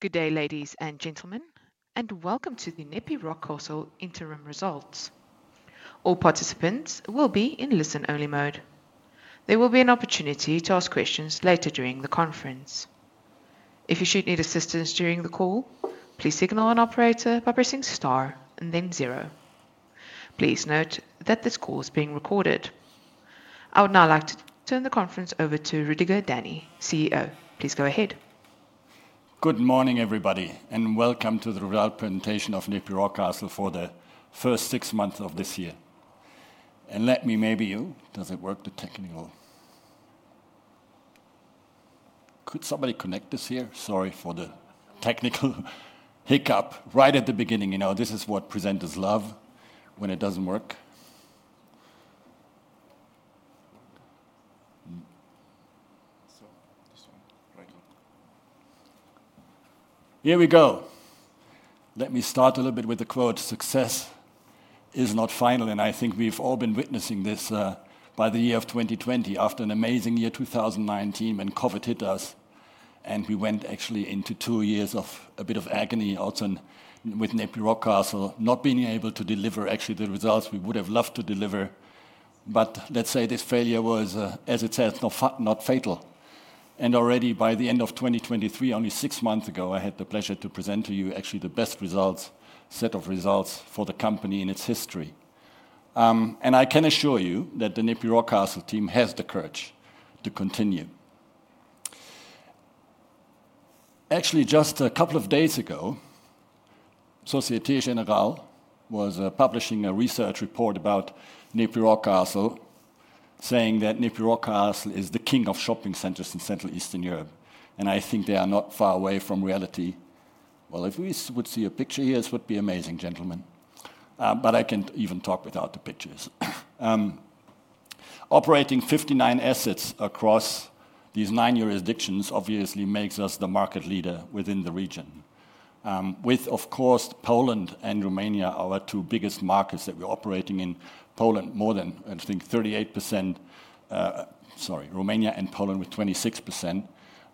Good day, ladies and gentlemen, and welcome to the NEPI Rockcastle interim results. All participants will be in listen-only mode. There will be an opportunity to ask questions later during the conference. If you should need assistance during the call, please signal an operator by pressing star and then zero. Please note that this call is being recorded. I would now like to turn the conference over to Rüdiger Dany, CEO. Please go ahead. Good morning, everybody, and welcome to the results presentation of NEPI Rockcastle for the first six months of this year. Oh, does it work, the technical? Could somebody connect us here? Sorry for the technical hiccup right at the beginning. You know, this is what presenters love, when it doesn't work. This one, right on. Here we go. Let me start a little bit with the quote, "Success is not final." And I think we've all been witnessing this by the year 2020, after an amazing year, 2019, when COVID hit us, and we went actually into two years of a bit of agony, also with NEPI Rockcastle, not being able to deliver, actually, the results we would have loved to deliver. But let's say this failure was, as it said, not fatal. And already by the end of 2023, only six months ago, I had the pleasure to present to you actually the best results, set of results for the company in its history. And I can assure you that the NEPI Rockcastle team has the courage to continue. Actually, just a couple of days ago, Société Générale was publishing a research report about NEPI Rockcastle, saying that NEPI Rockcastle is the king of shopping centers in Central and Eastern Europe, and I think they are not far away from reality. Well, if we would see a picture here, this would be amazing, gentlemen. But I can even talk without the pictures. Operating 59 assets across these nine jurisdictions obviously makes us the market leader within the region. With, of course, Poland and Romania, our two biggest markets that we're operating in. Poland, more than, I think, 38%, sorry, Romania and Poland with 26%.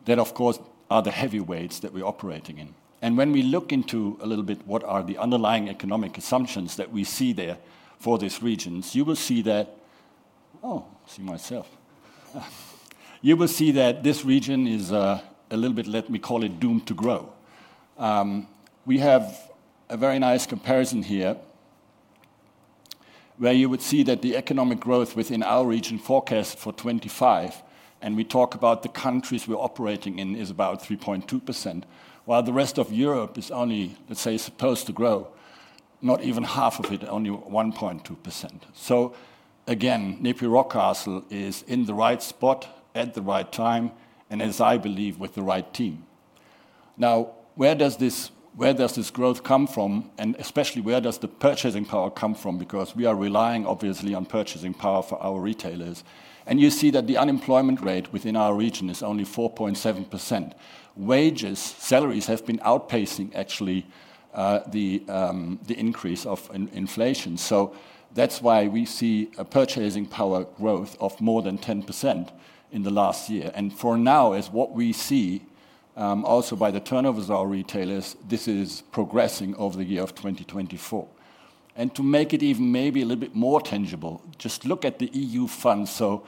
That, of course, are the heavyweights that we're operating in. And when we look into a little bit what are the underlying economic assumptions that we see there for these regions, you will see that. Oh, I see myself. You will see that this region is, a little bit, let me call it, doomed to grow. We have a very nice comparison here, where you would see that the economic growth within our region forecast for 2025, and we talk about the countries we're operating in, is about 3.2%, while the rest of Europe is only, let's say, supposed to grow, not even half of it, only 1.2%. So again, NEPI Rockcastle is in the right spot at the right time and as I believe, with the right team. Now, where does this, where does this growth come from? And especially, where does the purchasing power come from? Because we are relying, obviously, on purchasing power for our retailers. You see that the unemployment rate within our region is only 4.7%. Wages, salaries have been outpacing actually the increase of inflation. So that's why we see a purchasing power growth of more than 10% in the last year. For now, what we see also by the turnovers of our retailers is this progressing over the year of 2024. To make it even maybe a little bit more tangible, just look at the EU funds. The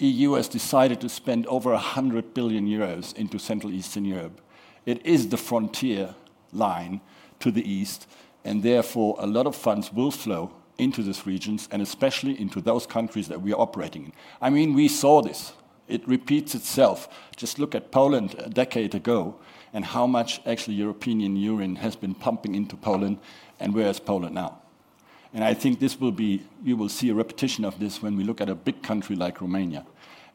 EU has decided to spend over 100 billion euros into Central and Eastern Europe. It is the frontier line to the east, and therefore, a lot of funds will flow into these regions and especially into those countries that we are operating in. I mean, we saw this. It repeats itself. Just look at Poland a decade ago and how much actually the European Union has been pumping into Poland, and where is Poland now? I think this will be... you will see a repetition of this when we look at a big country like Romania.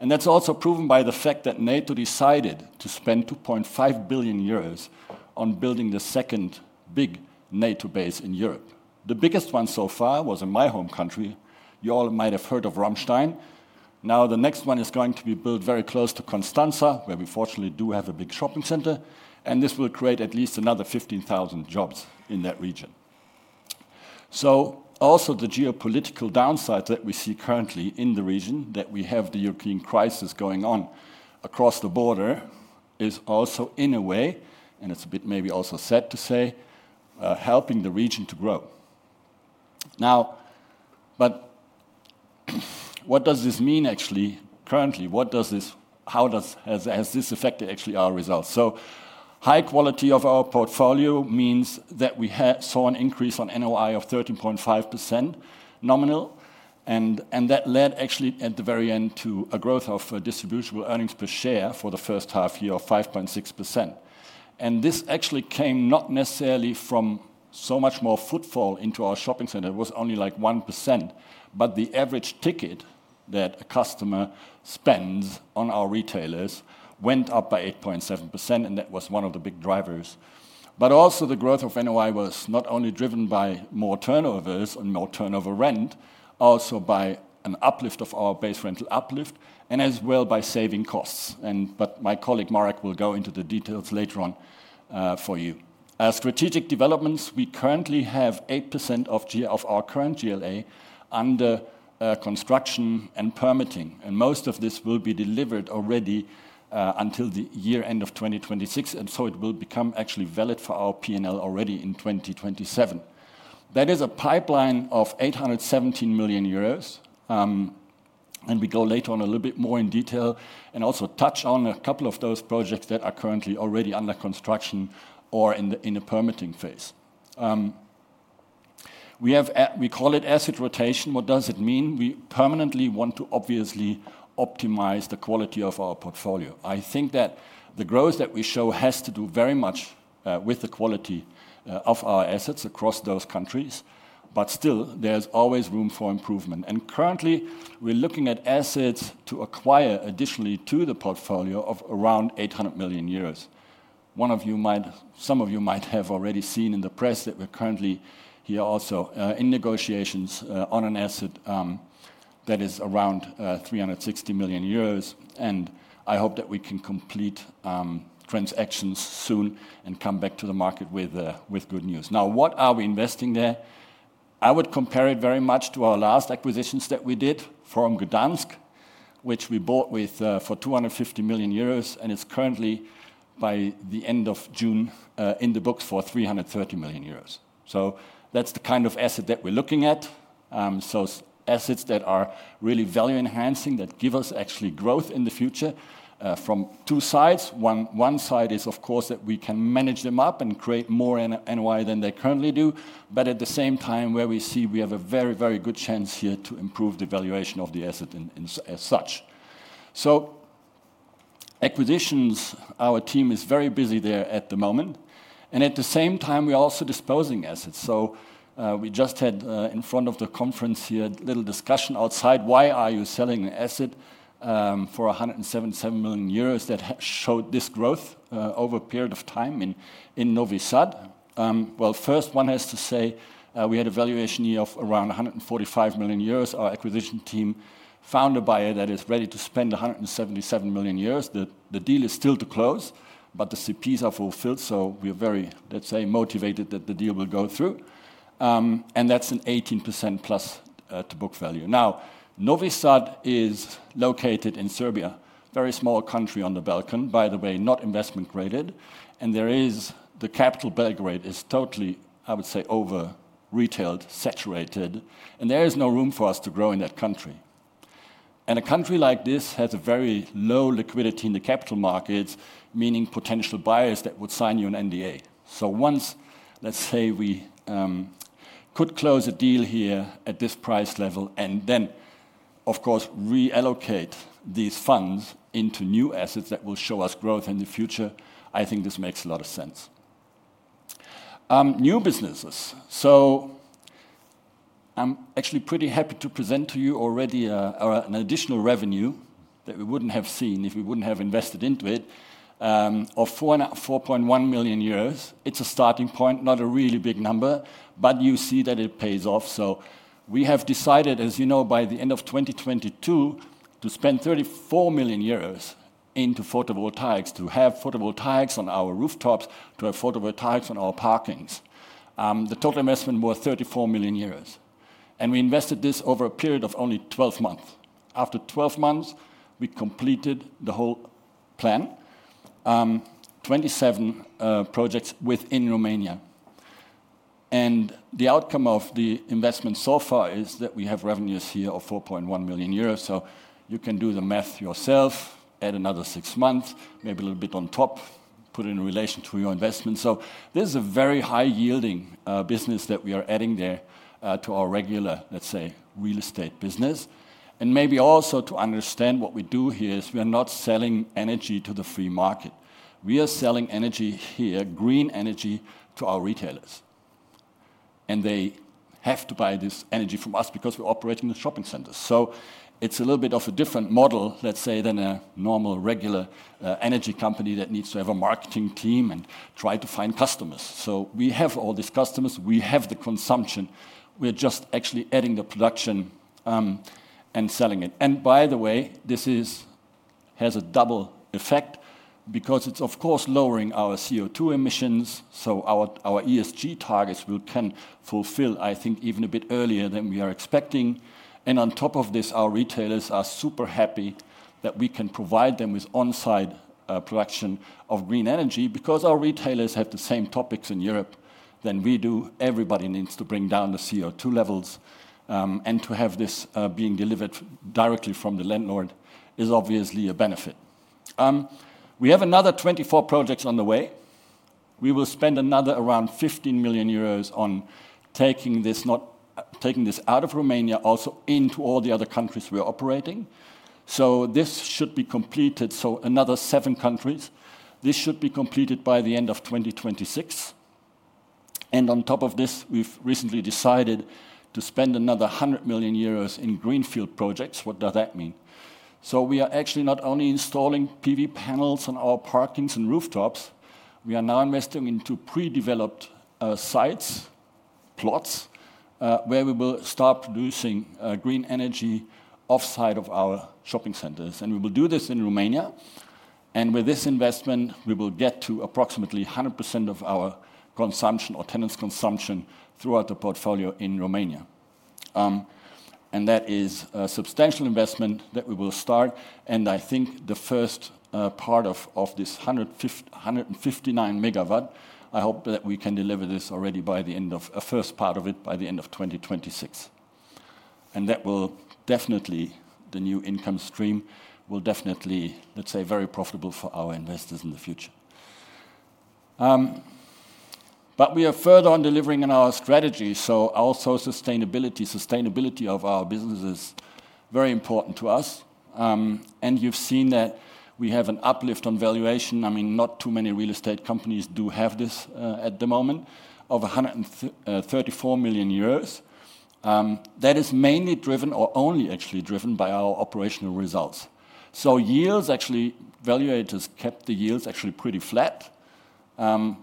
That's also proven by the fact that NATO decided to spend 2.5 billion euros on building the second big NATO base in Europe. The biggest one so far was in my home country. You all might have heard of Ramstein. Now, the next one is going to be built very close to Constanța, where we fortunately do have a big shopping center, and this will create at least another 15,000 jobs in that region. Also, the geopolitical downside that we see currently in the region, that we have the European crisis going on across the border, is also, in a way, and it's a bit maybe also sad to say, helping the region to grow. Now, but what does this mean actually currently? What does this mean for how has this affected actually our results? High quality of our portfolio means that we have saw an increase on NOI of 13.5% nominal, and that led actually at the very end to a growth of distributable earnings per share for the H1 year of 5.6%. This actually came not necessarily from so much more footfall into our shopping center, it was only like 1%, but the average ticket that a customer spends on our retailers went up by 8.7%, and that was one of the big drivers. Also, the growth of NOI was not only driven by more turnovers and more turnover rent, also by an uplift of our base rental uplift and as well by saving costs. But my colleague, Marek, will go into the details later on for you. As strategic developments, we currently have 8% of our current GLA under construction and permitting, and most of this will be delivered already until the year-end of 2026, and so it will become actually valid for our P&L already in 2027. That is a pipeline of 817 million euros. And we go later on a little bit more in detail and also touch on a couple of those projects that are currently already under construction or in the permitting phase. We have we call it asset rotation. What does it mean? We permanently want to obviously optimize the quality of our portfolio. I think that the growth that we show has to do very much with the quality of our assets across those countries, but still, there's always room for improvement, and currently, we're looking at assets to acquire additionally to the portfolio of around 800 million euros. Some of you might have already seen in the press that we're currently here also in negotiations on an asset that is around 360 million euros, and I hope that we can complete transactions soon and come back to the market with good news. Now, what are we investing there? I would compare it very much to our last acquisitions that we did from Gdańsk, which we bought with for 250 million euros, and it's currently, by the end of June, in the books for 330 million euros. So that's the kind of asset that we're looking at. So assets that are really value enhancing, that give us actually growth in the future from two sides. One side is, of course, that we can manage them up and create more NOI than they currently do, but at the same time, where we see we have a very, very good chance here to improve the valuation of the asset in as such. So acquisitions, our team is very busy there at the moment, and at the same time, we are also disposing assets. So, we just had, in front of the conference here, a little discussion outside. Why are you selling an asset, for 177 million euros that showed this growth, over a period of time in, in Novi Sad? Well, first one has to say, we had a valuation year of around 145 million euros. Our acquisition team found a buyer that is ready to spend 177 million euros. The, the deal is still to close, but the CPs are fulfilled, so we are very, let's say, motivated that the deal will go through. And that's an 18% plus, to book value. Now, Novi Sad is located in Serbia, very small country on the Balkan, by the way, not investment graded, and there is... The capital, Belgrade, is totally, I would say, over retailed, saturated, and there is no room for us to grow in that country. And a country like this has a very low liquidity in the capital markets, meaning potential buyers that would sign you an NDA. So once, let's say, we could close a deal here at this price level and then, of course, reallocate these funds into new assets that will show us growth in the future, I think this makes a lot of sense. New businesses. So I'm actually pretty happy to present to you already an additional revenue that we wouldn't have seen if we wouldn't have invested into it of 4.1 million euros. It's a starting point, not a really big number, but you see that it pays off. So we have decided, as you know, by the end of 2022, to spend 34 million euros into photovoltaics, to have photovoltaics on our rooftops, to have photovoltaics on our parkings. The total investment was 34 million euros, and we invested this over a period of only 12 months. After 12 months, we completed the whole plan, 27 projects within Romania, and the outcome of the investment so far is that we have revenues here of 4.1 million euros, so you can do the math yourself, add another 6 months, maybe a little bit on top, put it in relation to your investment. This is a very high-yielding business that we are adding there to our regular, let's say, real estate business, and maybe also to understand what we do here is we are not selling energy to the free market. We are selling energy here, green energy, to our retailers, and they have to buy this energy from us because we operate in the shopping centers, so it's a little bit of a different model, let's say, than a normal, regular, energy company that needs to have a marketing team and try to find customers, so we have all these customers, we have the consumption. We're just actually adding the production, and selling it, and by the way, this is, has a double effect because it's, of course, lowering our CO2 emissions, so our, our ESG targets we can fulfill, I think, even a bit earlier than we are expecting, and on top of this, our retailers are super happy that we can provide them with on-site, production of green energy because our retailers have the same topics in Europe than we do. Everybody needs to bring down the CO2 levels, and to have this being delivered directly from the landlord is obviously a benefit. We have another 24 projects on the way. We will spend another around 15 million euros on taking this out of Romania, also into all the other countries we are operating. This should be completed, so another seven countries. This should be completed by the end of 2026. On top of this, we've recently decided to spend another 100 million euros in greenfield projects. What does that mean? We are actually not only installing PV panels on our parkings and rooftops, we are now investing into pre-developed sites, plots, where we will start producing green energy offsite of our shopping centers. We will do this in Romania. With this investment, we will get to approximately 100% of our consumption or tenants' consumption throughout the portfolio in Romania. That is a substantial investment that we will start, and I think the first part of this 159 megawatt. I hope that we can deliver this already by the end of a first part of it, by the end of 2026. That will definitely, the new income stream, will definitely, let's say, very profitable for our investors in the future. But we are further on delivering on our strategy, so also sustainability. Sustainability of our business is very important to us. You've seen that we have an uplift on valuation. I mean, not too many real estate companies do have this at the moment, of 34 million euros. That is mainly driven, or only actually driven, by our operational results. Yields actually, valuators kept the yields actually pretty flat.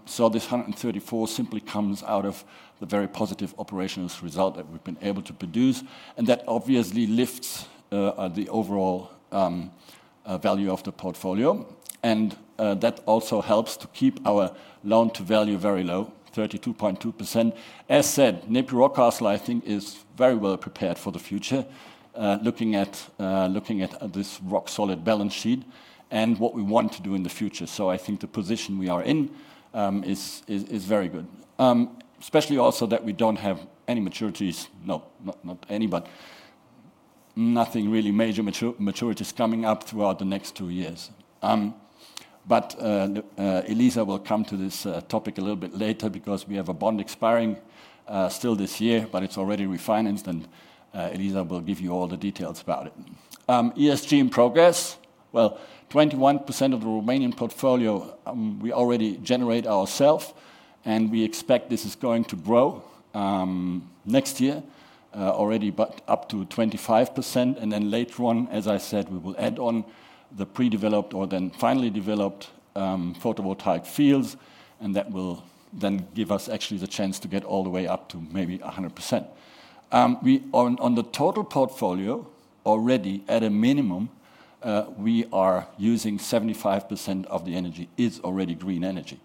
So this 134 simply comes out of the very positive operational result that we've been able to produce, and that obviously lifts the overall value of the portfolio. That also helps to keep our loan-to-value very low, 32.2%. As said, NEPI Rockcastle, I think, is very well prepared for the future, looking at this rock-solid balance sheet and what we want to do in the future. I think the position we are in is very good. Especially also that we don't have any maturities. No, not any, but nothing really major maturities coming up throughout the next two years. But Eliza will come to this topic a little bit later because we have a bond expiring still this year, but it's already refinanced, and Eliza will give you all the details about it. ESG in progress. Well, 21% of the Romanian portfolio we already generate ourselves, and we expect this is going to grow next year already, but up to 25%. And then later on, as I said, we will add on the pre-developed or then finally developed photovoltaic fields, and that will then give us actually the chance to get all the way up to maybe 100%. We, on the total portfolio, already at a minimum, we are using 75% of the energy is already green energy.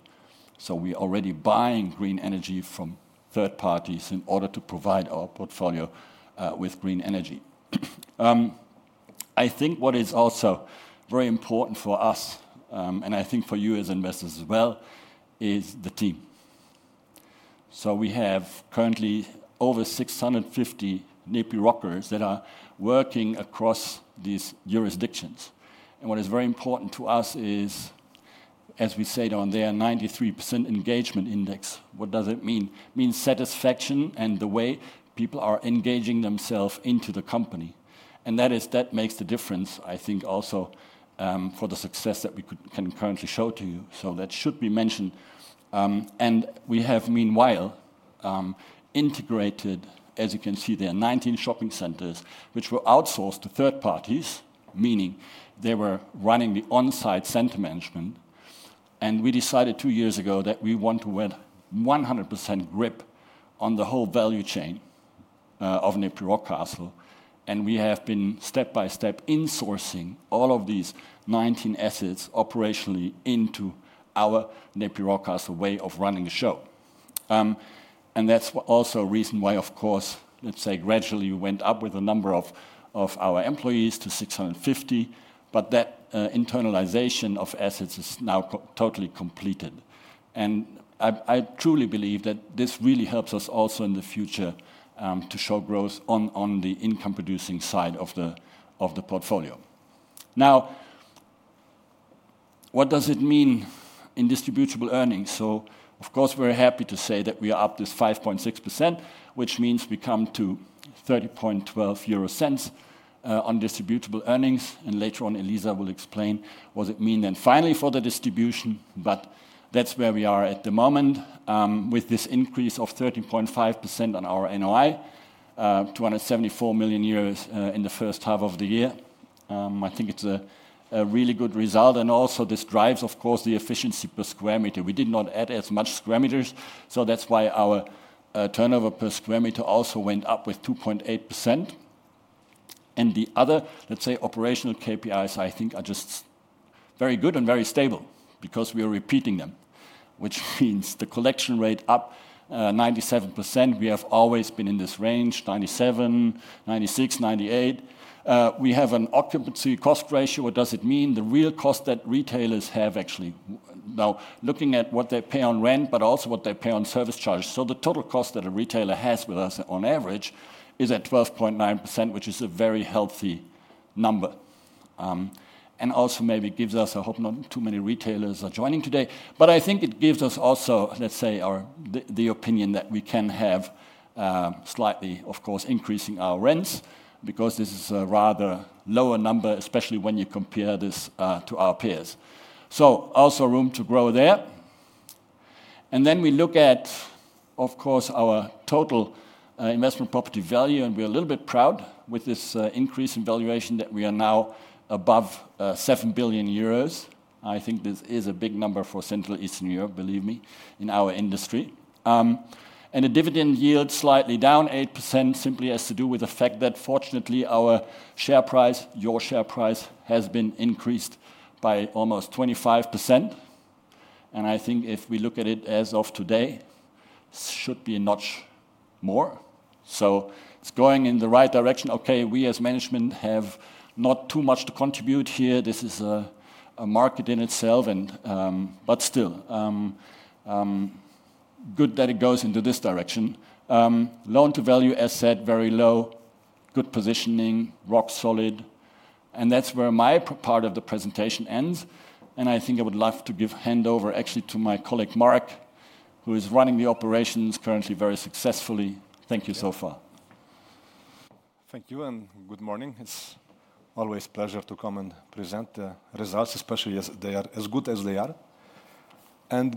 We are already buying green energy from third parties in order to provide our portfolio with green energy. I think what is also very important for us, and I think for you as investors as well, is the team. We have currently over six hundred and fifty NEPI Rockers that are working across these jurisdictions. What is very important to us is, as we said on their 93% engagement index, what does it mean? It means satisfaction and the way people are engaging themselves into the company. That makes the difference, I think also, for the success that we can currently show to you. That should be mentioned. We have meanwhile integrated, as you can see there, nineteen shopping centers, which were outsourced to third parties, meaning they were running the on-site center management. We decided two years ago that we want to have 100% grip on the whole value chain of NEPI Rockcastle, and we have been step by step insourcing all of these 19 assets operationally into our NEPI Rockcastle way of running the show. And that's also a reason why, of course, let's say, gradually we went up with the number of our employees to 650, but that internalization of assets is now totally completed. I truly believe that this really helps us also in the future to show growth on the income-producing side of the portfolio. Now, what does it mean in distributable earnings? Of course, we're happy to say that we are up this 5.6%, which means we come to 0.3012 on distributable earnings. And later on, Eliza will explain what it means then finally for the distribution, but that's where we are at the moment, with this increase of 13.5% on our NOI, 274 million euros, in the H1 of the year. I think it's a really good result. And also this drives, of course, the efficiency per square meter. We did not add as much square meters, so that's why our turnover per square meter also went up with 2.8%. The other, let's say, operational KPIs, I think are just very good and very stable because we are repeating them, which means the collection rate up 97%. We have always been in this range, 97, 96, 98. We have an occupancy cost ratio. What does it mean? The real cost that retailers have actually now looking at what they pay on rent, but also what they pay on service charges. So the total cost that a retailer has with us on average is at 12.9%, which is a very healthy number. And also maybe gives us. I hope not too many retailers are joining today, but I think it gives us also, let's say, the opinion that we can have slightly, of course, increasing our rents, because this is a rather lower number, especially when you compare this to our peers. So also room to grow there. And then we look at, of course, our investment property value, and we're a little bit proud with this increase in valuation that we are now above 7 billion euros. I think this is a big number for Central and Eastern Europe, believe me, in our industry. And the dividend yield slightly down 8%, simply has to do with the fact that fortunately, our share price, your share price, has been increased by almost 25%. And I think if we look at it as of today, should be a notch more. So it's going in the right direction. Okay, we as management have not too much to contribute here. This is a market in itself, and but still good that it goes into this direction. Loan-to-value, as said, very low, good positioning, rock solid, and that's where my part of the presentation ends. And I think I would love to give hand over actually to my colleague, Marek, who is running the operations currently very successfully. Thank you so far. Thank you and good morning. It's always pleasure to come and present the results, especially as they are as good as they are.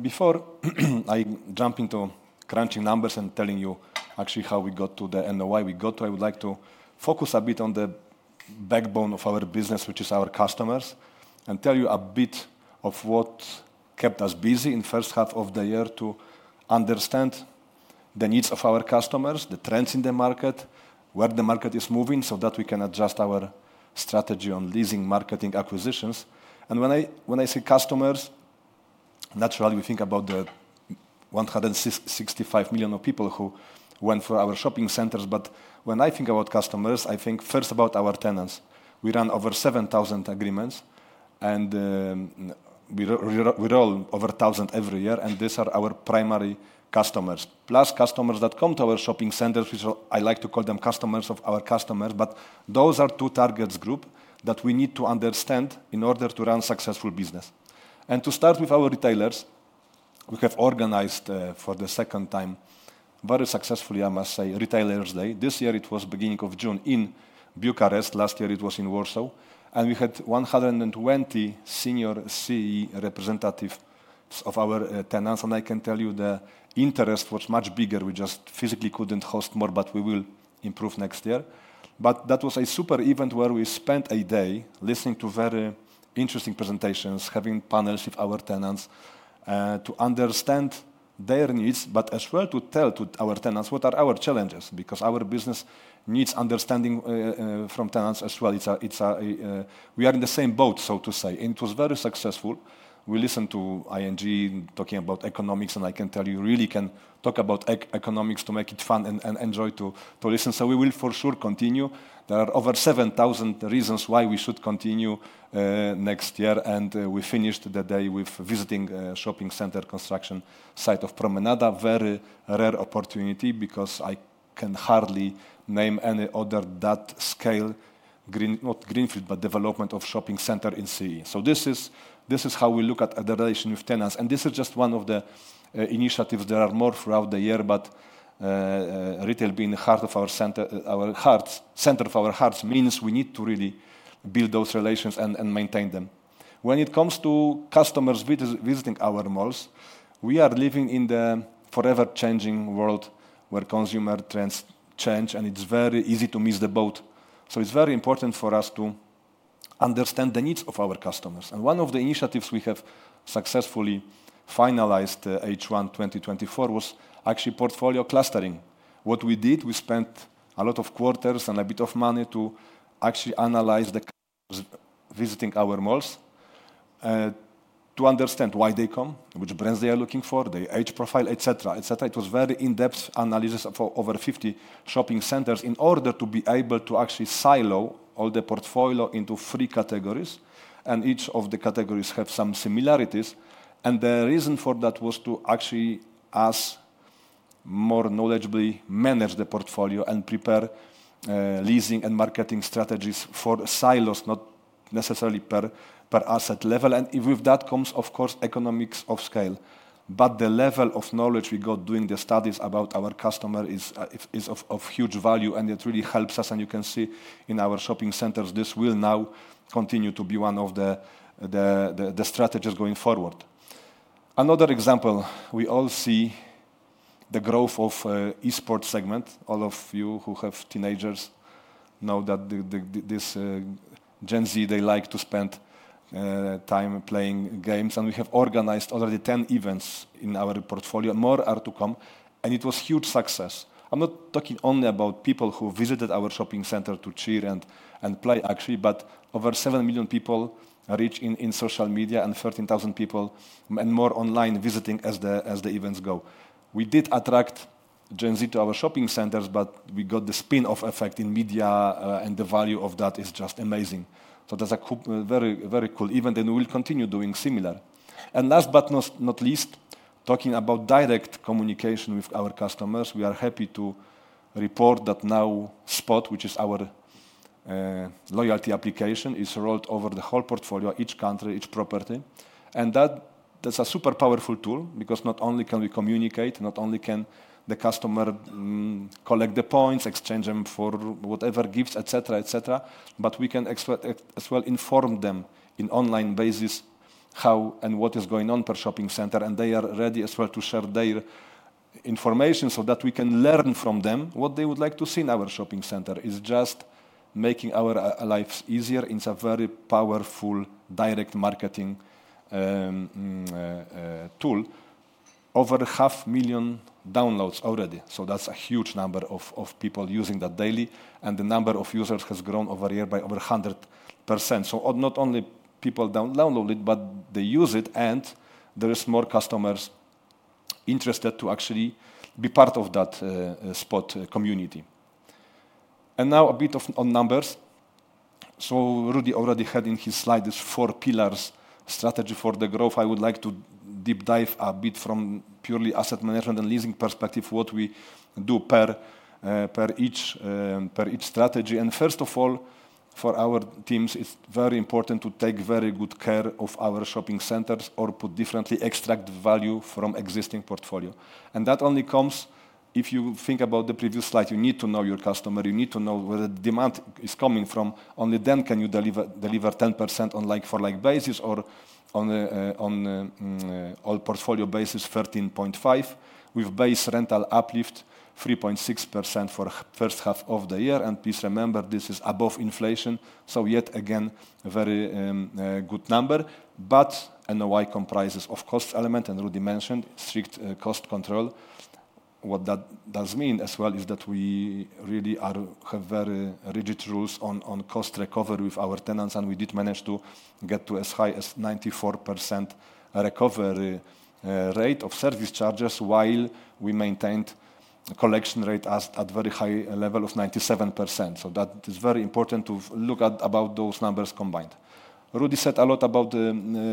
Before I jump into crunching numbers and telling you actually how we got to the end and why we got to, I would like to focus a bit on the backbone of our business, which is our customers, and tell you a bit of what kept us busy in H1 of the year to understand the needs of our customers, the trends in the market, where the market is moving, so that we can adjust our strategy on leasing, marketing, acquisitions. When I say customers, naturally, we think about the 165 million of people who went for our shopping centers. But when I think about customers, I think first about our tenants. We run over seven thousand agreements, and we roll over a thousand every year, and these are our primary customers. Plus, customers that come to our shopping centers, which I like to call them customers of our customers, but those are two target groups that we need to understand in order to run successful business. To start with our retailers, we have organized, for the second time, very successfully, I must say, Retailers Day. This year, it was beginning of June in Bucharest. Last year, it was in Warsaw, and we had one hundred and twenty senior C representative of our tenants, and I can tell you the interest was much bigger. We just physically couldn't host more, but we will improve next year. But that was a super event where we spent a day listening to very interesting presentations, having panels with our tenants, to understand their needs, but as well to tell to our tenants what are our challenges, because our business needs understanding from tenants as well. It's a, we are in the same boat, so to say. It was very successful. We listened to ING talking about economics, and I can tell you really can talk about economics to make it fun and enjoy to listen. So we will for sure continue. There are over seven thousand reasons why we should continue next year, and we finished the day with visiting shopping center construction site of Promenada. Very rare opportunity because I can hardly name any other that scale Green... Not greenfield, but development of shopping center in CE. This is how we look at the relation with tenants, and this is just one of the initiatives. There are more throughout the year, but retail being heart of our center, our hearts, center of our hearts, means we need to really build those relations and maintain them. When it comes to customers visiting our malls, we are living in the forever changing world, where consumer trends change, and it's very easy to miss the boat. It's very important for us to understand the needs of our customers. One of the initiatives we have successfully finalized in H1 2024 was actually portfolio clustering. What we did, we spent a lot of quarters and a bit of money to actually analyze the visitors visiting our malls, to understand why they come, which brands they are looking for, their age profile, et cetera, et cetera. It was very in-depth analysis of over 50 shopping centers in order to be able to actually silo all the portfolio into three categories, and each of the categories have some similarities. And the reason for that was to actually, us, more knowledgeably manage the portfolio and prepare leasing and marketing strategies for silos, not necessarily per, per asset level. And with that comes, of course, economies of scale. But the level of knowledge we got doing the studies about our customer is of huge value, and it really helps us, and you can see in our shopping centers. This will now continue to be one of the strategies going forward. Another example, we all see the growth of e-sport segment. All of you who have teenagers know that this Gen Z, they like to spend time playing games, and we have organized already 10 events in our portfolio, and more are to come, and it was huge success. I'm not talking only about people who visited our shopping center to cheer and play, actually, but over 7 million people reached in social media and 13,000 people and more online visiting as the events go. We did attract Gen Z to our shopping centers, but we got the spin-off effect in media, and the value of that is just amazing, so that's a very, very cool event, and we will continue doing similar, and last but not least, talking about direct communication with our customers. We are happy to report that now Spot, which is our loyalty application, is rolled over the whole portfolio, each country, each property, and that's a super powerful tool because not only can we communicate, not only can the customer collect the points, exchange them for whatever gifts, et cetera, et cetera, but we can as well inform them in online basis... how and what is going on per shopping center, and they are ready as well to share their information so that we can learn from them what they would like to see in our shopping center. It's just making our lives easier. It's a very powerful direct marketing tool. Over 500,000 downloads already, so that's a huge number of people using that daily, and the number of users has grown over a year by over 100%. So not only people download it, but they use it, and there is more customers interested to actually be part of that Spot community. And now a bit of on numbers. So Rudy already had in his slides four pillars, strategy for the growth. I would like to deep dive a bit from purely asset management and leasing perspective, what we do per each strategy. First of all, for our teams, it's very important to take very good care of our shopping centers, or put differently, extract value from existing portfolio. That only comes if you think about the previous slide, you need to know your customer. You need to know where the demand is coming from. Only then can you deliver 10% on like-for-like basis or on an old portfolio basis, 13.5, with base rental uplift 3.6% for H1 of the year. Please remember, this is above inflation, so yet again, a very good number. But NOI comprises of cost element, and Rudy mentioned strict cost control. What that does mean as well is that we really are have very rigid rules on cost recovery with our tenants, and we did manage to get to as high as 94% recovery rate of service charges, while we maintained collection rate at very high level of 97%. That is very important to look at about those numbers combined. Rudy said a lot about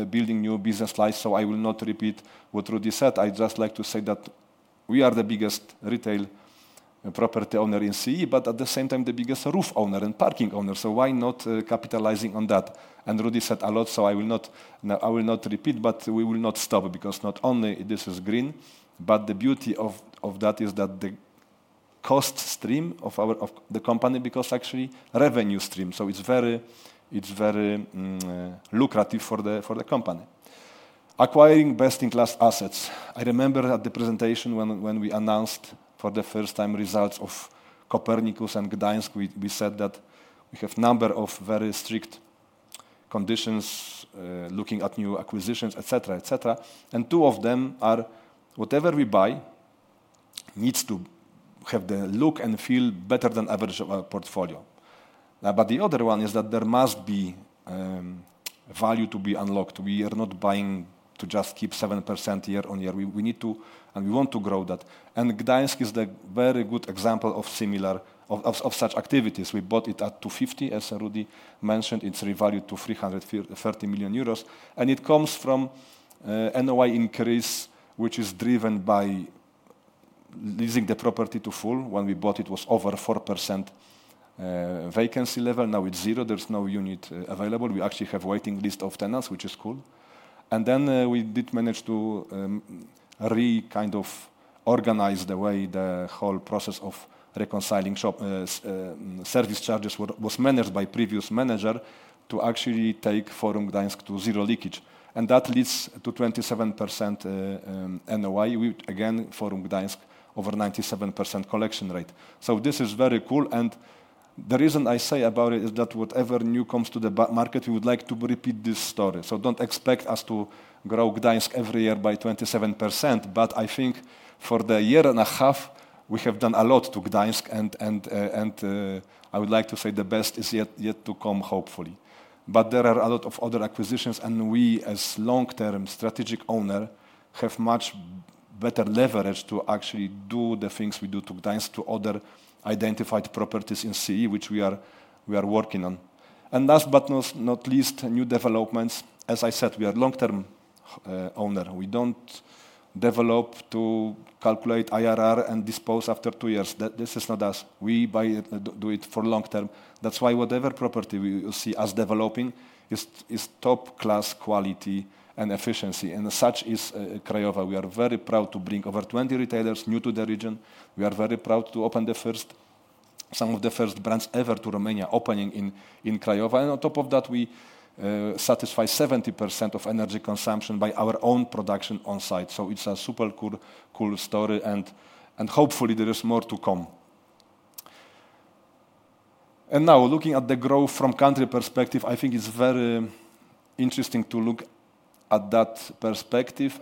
building new business lines, so I will not repeat what Rudy said. I'd just like to say that just keep 7% year on year. We need to and we want to grow that, and Gdańsk is a very good example of similar of such activities. We bought it at 250, as Rudy mentioned, it's revalued to 330 million euros, and it comes from NOI increase, which is driven by leasing the property to full. When we bought it, it was over 4% vacancy level. Now it's zero. There's no unit available. We actually have waiting list of tenants, which is cool. Then we did manage to re-kind of organize the way the whole process of reconciling shop service charges were managed by previous manager to actually take Forum Gdańsk to zero leakage, and that leads to 27% NOI. We again, Forum Gdańsk, over 97% collection rate. So this is very cool, and the reason I say about it is that whatever new comes to the Balkan market, we would like to repeat this story. So don't expect us to grow Gdańsk every year by 27%, but I think for the year and a half, we have done a lot to Gdańsk and I would like to say the best is yet to come, hopefully. But there are a lot of other acquisitions, and we, as long-term strategic owner, have much better leverage to actually do the things we do to Gdańsk, to other identified properties in CEE, which we are working on. And last but not least, new developments. As I said, we are long-term owner. We don't develop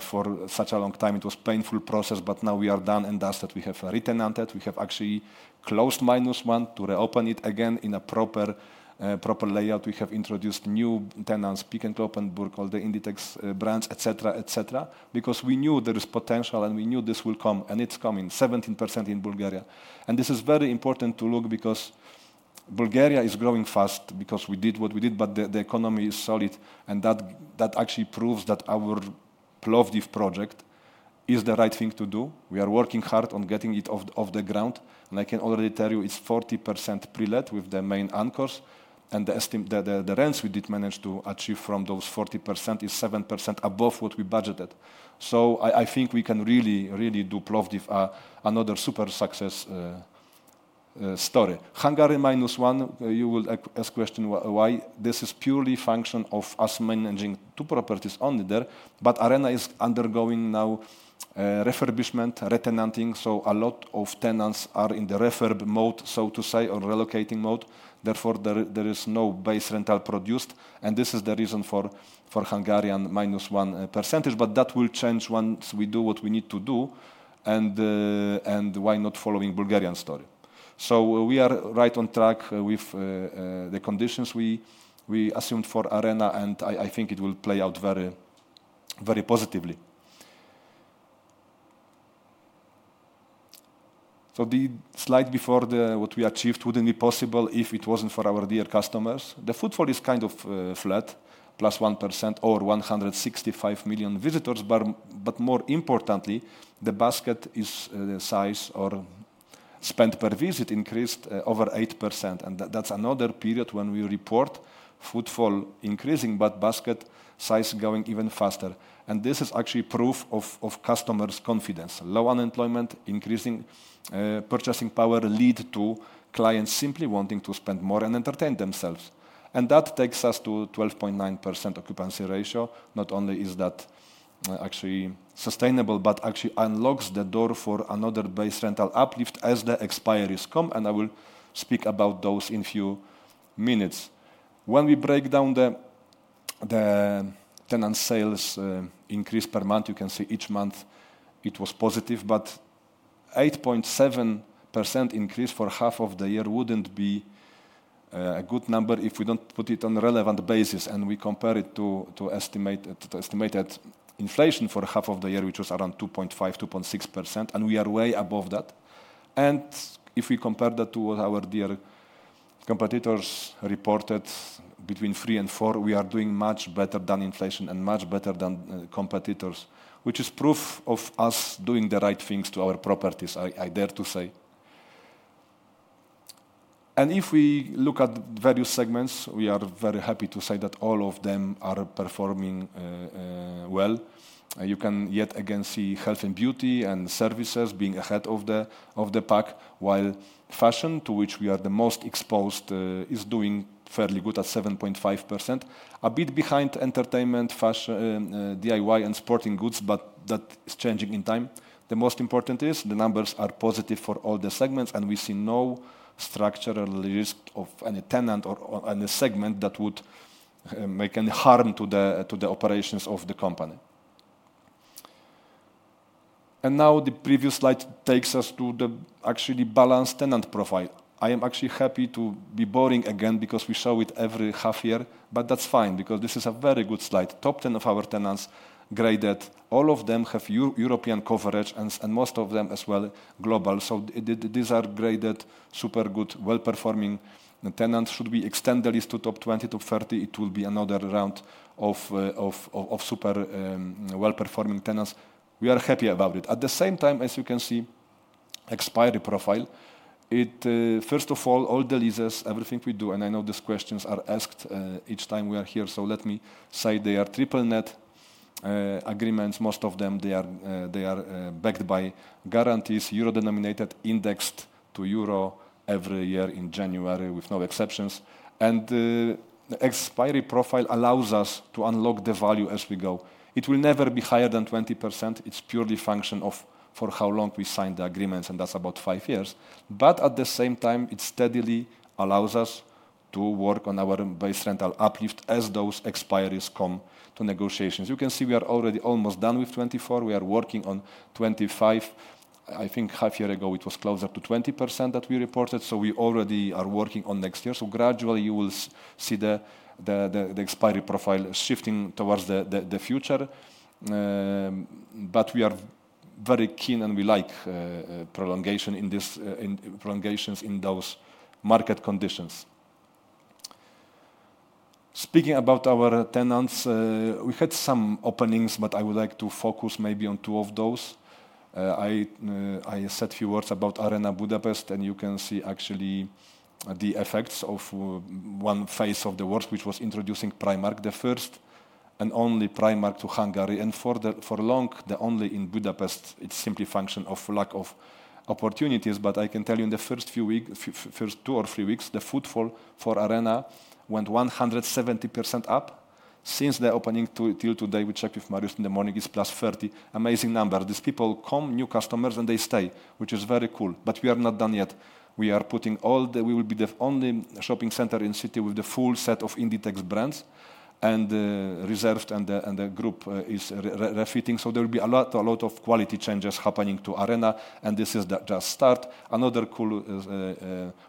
For such a long time, it was painful process, but now we are done and dusted. We have re-tenanted. We have actually closed Minus One to reopen it again in a proper, proper layout. We have introduced new tenants, Peek & Cloppenburg, all the Inditex brands, et cetera, et cetera, because we knew there is potential, and we knew this will come, and it's coming, 17% in Bulgaria. This is very important to look, because Bulgaria is growing fast because we did what we did, but the economy is solid, and that actually proves that our Plovdiv project is the right thing to do. We are working hard on getting it off the ground, and I can already tell you it's 40% prelet with the main anchors, and the rents we did manage to achieve from those 40% is 7% above what we budgeted. So I think we can really, really do Plovdiv another super success story. Hungary, -1%. You will ask question, "Why?" This is purely function of us managing two properties only there, but Arena is undergoing now refurbishment, retenanting, so a lot of tenants are in the refurb mode, so to say, or relocating mode. Therefore, there is no base rental produced, and this is the reason for Hungarian -1%, but that will change once we do what we need to do. Why not following Bulgarian story? So we are right on track with the conditions we assumed for Arena, and I think it will play out very, very positively. So the slide before the, what we achieved wouldn't be possible if it wasn't for our dear customers. The footfall is kind of flat, +1% or 165 million visitors. But more importantly, the basket size or spend per visit increased over 8%, and that's another period when we report footfall increasing, but basket size going even faster, and this is actually proof of customers' confidence. Low unemployment, increasing purchasing power lead to clients simply wanting to spend more and entertain themselves, and that takes us to 12.9% occupancy ratio. Not only is that actually sustainable, but actually Inditex brands and Reserved and the group is refitting. So there will be a lot, a lot of quality changes happening to Arena, and this is just the start. Another cool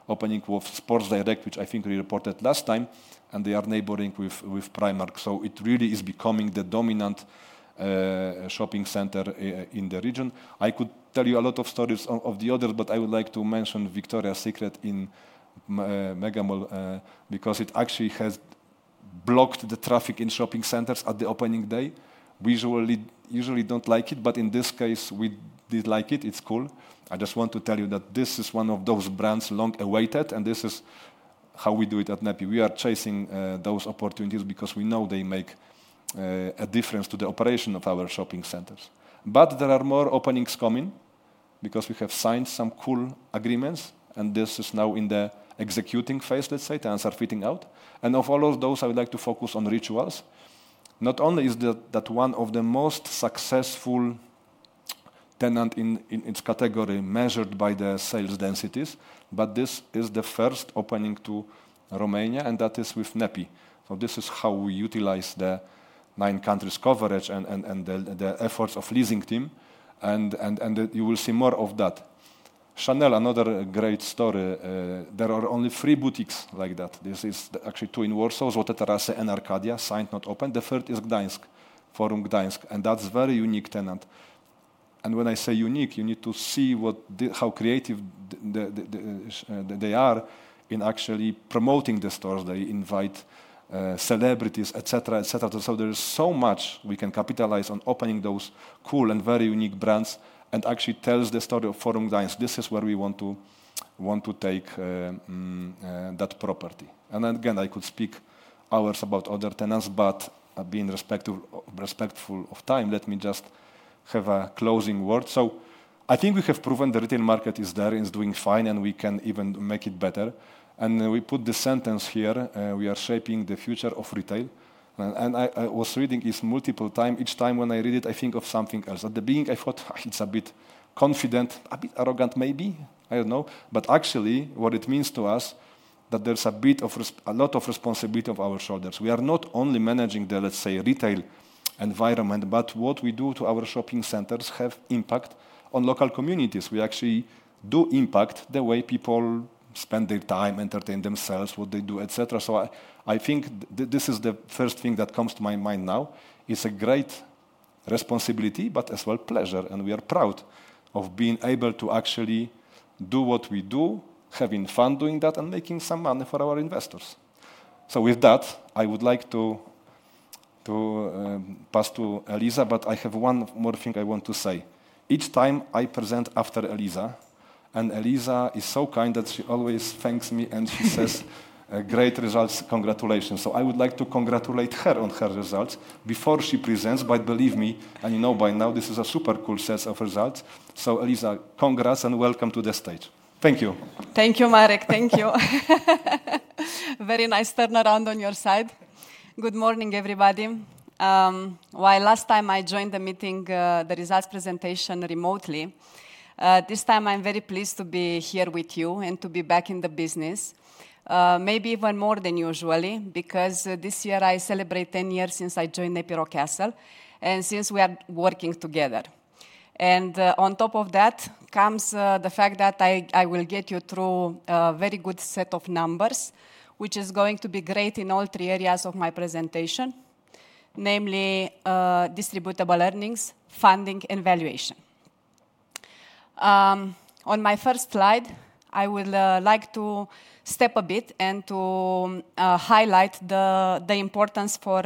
opening of Sports Direct, which I think we reported last time, and they are neighboring with Primark, so it really is becoming the dominant shopping center in the region. I could tell you a lot of stories of the others, but I would like to mention Victoria's Secret in Mega Mall because it actually has blocked the traffic in shopping centers at the opening day. We usually don't like it, but in this case, we did like it. It's cool. I just want to tell you that this is one of those brands long awaited, and this is how we do it at NEPI. We are chasing those opportunities because we know they make a difference to the operation of our shopping centers, but there are more openings coming because we have signed some cool agreements, and this is now in the executing phase, let's say, the tenants are fitting out, and of all of those, I would like to focus on Rituals. Not only is that one of the most successful tenant in its category, measured by the sales densities, but this is the first opening to Romania, and that is with NEPI, so this is how we utilize the nine countries coverage and the efforts of leasing team, and you will see more of that. Chanel, another great story. There are only three boutiques like that. This is actually two in Warsaw, Złote Tarasy and Arkadia, signed, not opened. The third is Gdańsk, Forum Gdańsk, and that's very unique tenant. And when I say unique, you need to see what the how creative they are in actually promoting the stores. They invite celebrities, et cetera, et cetera. So there is so much we can capitalize on opening those cool and very unique brands, and actually tells the story of Forum Gdańsk. This is where we want to take that property. And again, I could speak hours about other tenants, but being respectful of time, let me just have a closing word. So I think we have proven the retail market is there, it's doing fine, and we can even make it better. And we put the sentence here, "We are shaping the future of retail." And I was reading this multiple times. Each time when I read it, I think of something else. At the beginning, I thought, "It's a bit confident, a bit arrogant, maybe?" I don't know, but actually, what it means to us, that there's a lot of responsibility on our shoulders. We are not only managing the, let's say, retail environment, but what we do to our shopping centers have impact on local communities. We actually do impact the way people spend their time, entertain themselves, what they do, et cetera, so I think this is the first thing that comes to my mind now. It's a great responsibility, but as well, pleasure, and we are proud of being able to actually do what we do, having fun doing that, and making some money for our investors. So with that, I would like to pass to Eliza, but I have one more thing I want to say. Each time I present after Eliza, and Eliza is so kind that she always thanks me, and she says, "Great results. Congratulations." So I would like to congratulate her on her results before she presents. But believe me, and you know by now, this is a super cool set of results. So, Eliza, congrats and welcome to the stage. Thank you. Thank you, Marek. Thank you. Very nice turn around on your side. Good morning, everybody. While last time I joined the meeting, the results presentation remotely, this time I'm very pleased to be here with you and to be back in the business, maybe even more than usually, because, this year I celebrate ten years since I joined NEPI Rockcastle, and since we are working together, and on top of that comes, the fact that I will get you through a very good set of numbers, which is going to be great in all three areas of my presentation, namely, distributable earnings, funding, and valuation. On my first slide, I will like to step a bit and to highlight the importance for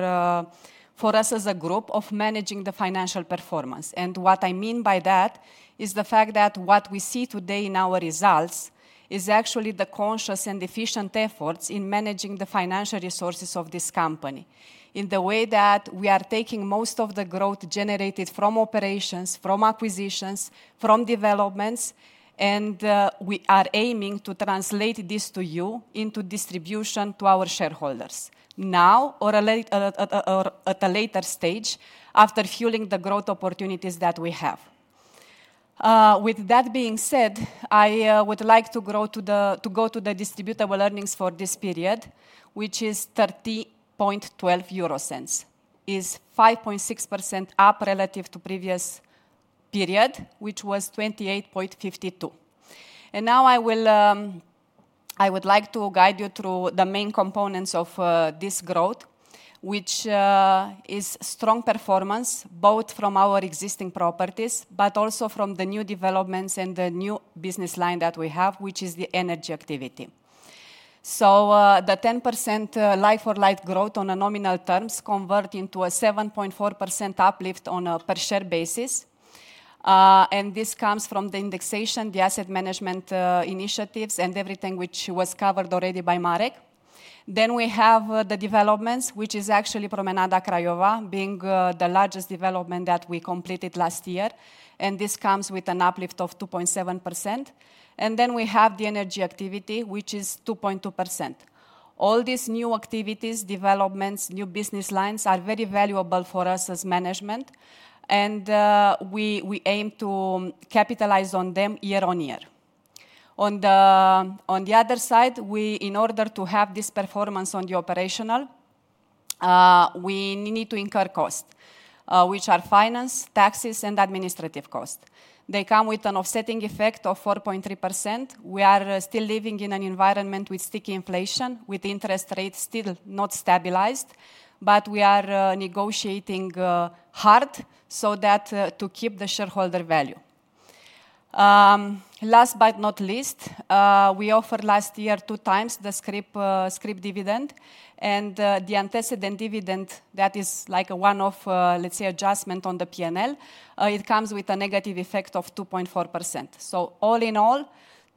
us as a group, of managing the financial performance. What I mean by that is the fact that what we see today in our results is actually the conscious and efficient efforts in managing the financial resources of this company. In the way that we are taking most of the growth generated from operations, from acquisitions, from developments, and we are aiming to translate this to you into distribution to our shareholders, now or later, at a later stage, after fueling the growth opportunities that we have. With that being said, I would like to go to the distributable earnings for this period, which is 0.3012, 5.6% up relative to previous period, which was 0.2852. Now I will, I would like to guide you through the main components of this growth, which is strong performance, both from our existing properties, but also from the new developments and the new business line that we have, which is the energy activity. The 10%, like for like growth on a nominal terms, convert into a 7.4 uplift on a per share basis. And this comes from the indexation, the asset management initiatives, and everything which was covered already by Marek. We have the developments, which is actually Promenada Craiova, being the largest development that we completed last year, and this comes with an uplift of 2.7%. We have the energy activity, which is 2.2%. All these new activities, developments, new business lines, are very valuable for us as management, and we aim to capitalize on them year on year. On the other side, we, in order to have this performance on the operational, we need to incur cost, which are finance, taxes, and administrative cost. They come with an offsetting effect of 4.3%. We are still living in an environment with sticky inflation, with interest rates still not stabilized, but we are negotiating hard so that to keep the shareholder value. Last but not least, we offered last year two times the scrip dividend and the antecedent dividend that is like a one-off, let's say, adjustment on the PNL. It comes with a negative effect of 2.4%. All in all,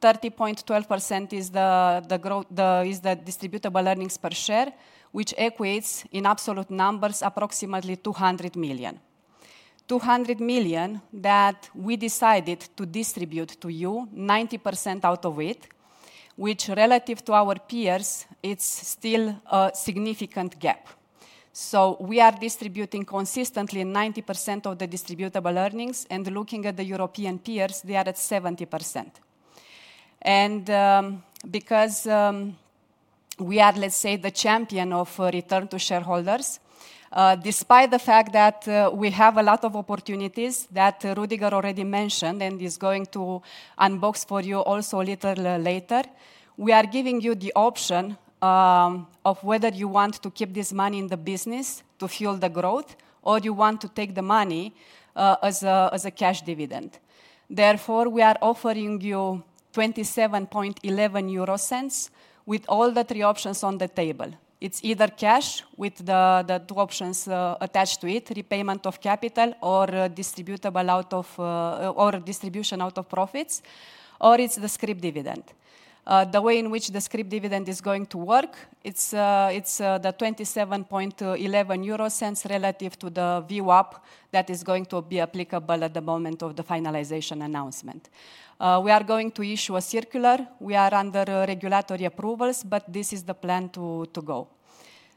30.12% is the growth, is the distributable earnings per share, which equates in absolute numbers, approximately 200 million. 200 million that we decided to distribute to you, 90% out of it, which relative to our peers, it's still a significant gap. We are distributing consistently 90% of the distributable earnings, and looking at the European peers, they are at 70%. Because we are, let's say, the champion of return to shareholders, despite the fact that we have a lot of opportunities that Rüdiger already mentioned and is going to unbox for you also a little later, we are giving you the option of whether you want to keep this money in the business to fuel the growth, or you want to take the money as a cash dividend. Therefore, we are offering you 0.2711 with all the three options on the table. It's either cash with the two options attached to it, repayment of capital or distributable out of, or distribution out of profits, or it's the scrip dividend. The way in which the scrip dividend is going to work, it's the 27.11 euro cents relative to the VWAP that is going to be applicable at the moment of the finalization announcement. We are going to issue a circular. We are under regulatory approvals, but this is the plan to go.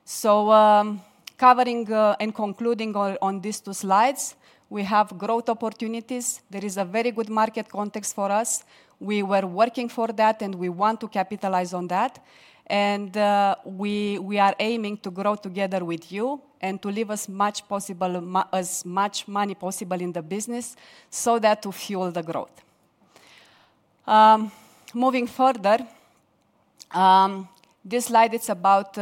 So, covering and concluding on these two slides, we have growth opportunities. There is a very good market context for us. We were working for that, and we want to capitalize on that. We are aiming to grow together with you and to leave as much money possible in the business so that to fuel the growth. Moving further, this slide is about,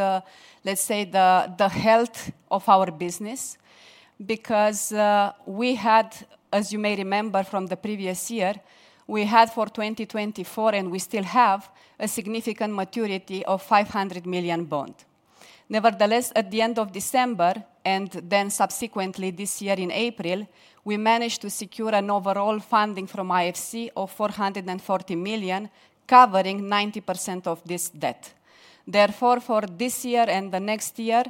let's say, the health of our business, because, as you may remember from the previous year, we had for 2024, and we still have, a significant maturity of 500 million bond. Nevertheless, at the end of December, and then subsequently this year in April, we managed to secure an overall funding from IFC of 440 million, covering 90% of this debt. Therefore, for this year and the next year,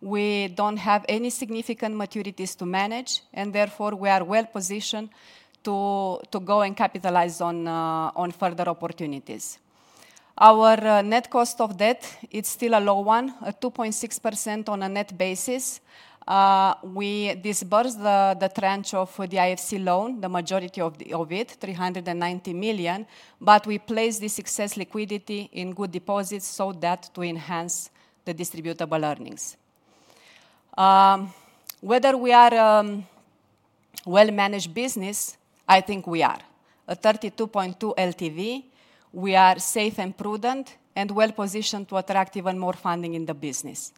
we don't have any significant maturities to manage, and therefore, we are well positioned to go and capitalize on further opportunities. Our net cost of debt, it's still a low one, a 2.6% on a net basis. We disbursed the tranche of the IFC loan, the majority of it, 390 million, but we placed the excess liquidity in good deposits so that to enhance the distributable earnings. Whether we are a well-managed business, I think we are. A 32.2 LTV, we are safe and prudent and well-positioned to attract even more funding in the business.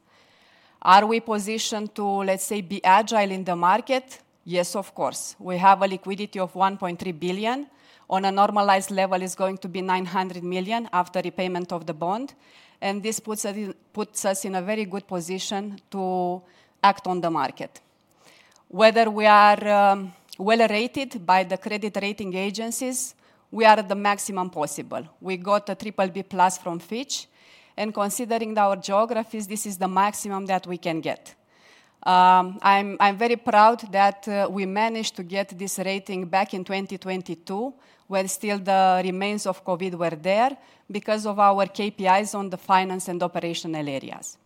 Are we positioned to, let's say, be agile in the market? Yes, of course. We have a liquidity of 1.3 billion. On a normalized level, it's going to be 900 million after repayment of the bond, and this puts us, puts us in a very good position to act on the market. Whether we are well-rated by the credit rating agencies, we are at the maximum possible. We got a triple B plus from Fitch, and considering our geographies, this is the maximum that we can get. I'm very proud that we managed to get this rating back in 2022, when still the remains of COVID were there, because of our KPIs on the finance and operational areas,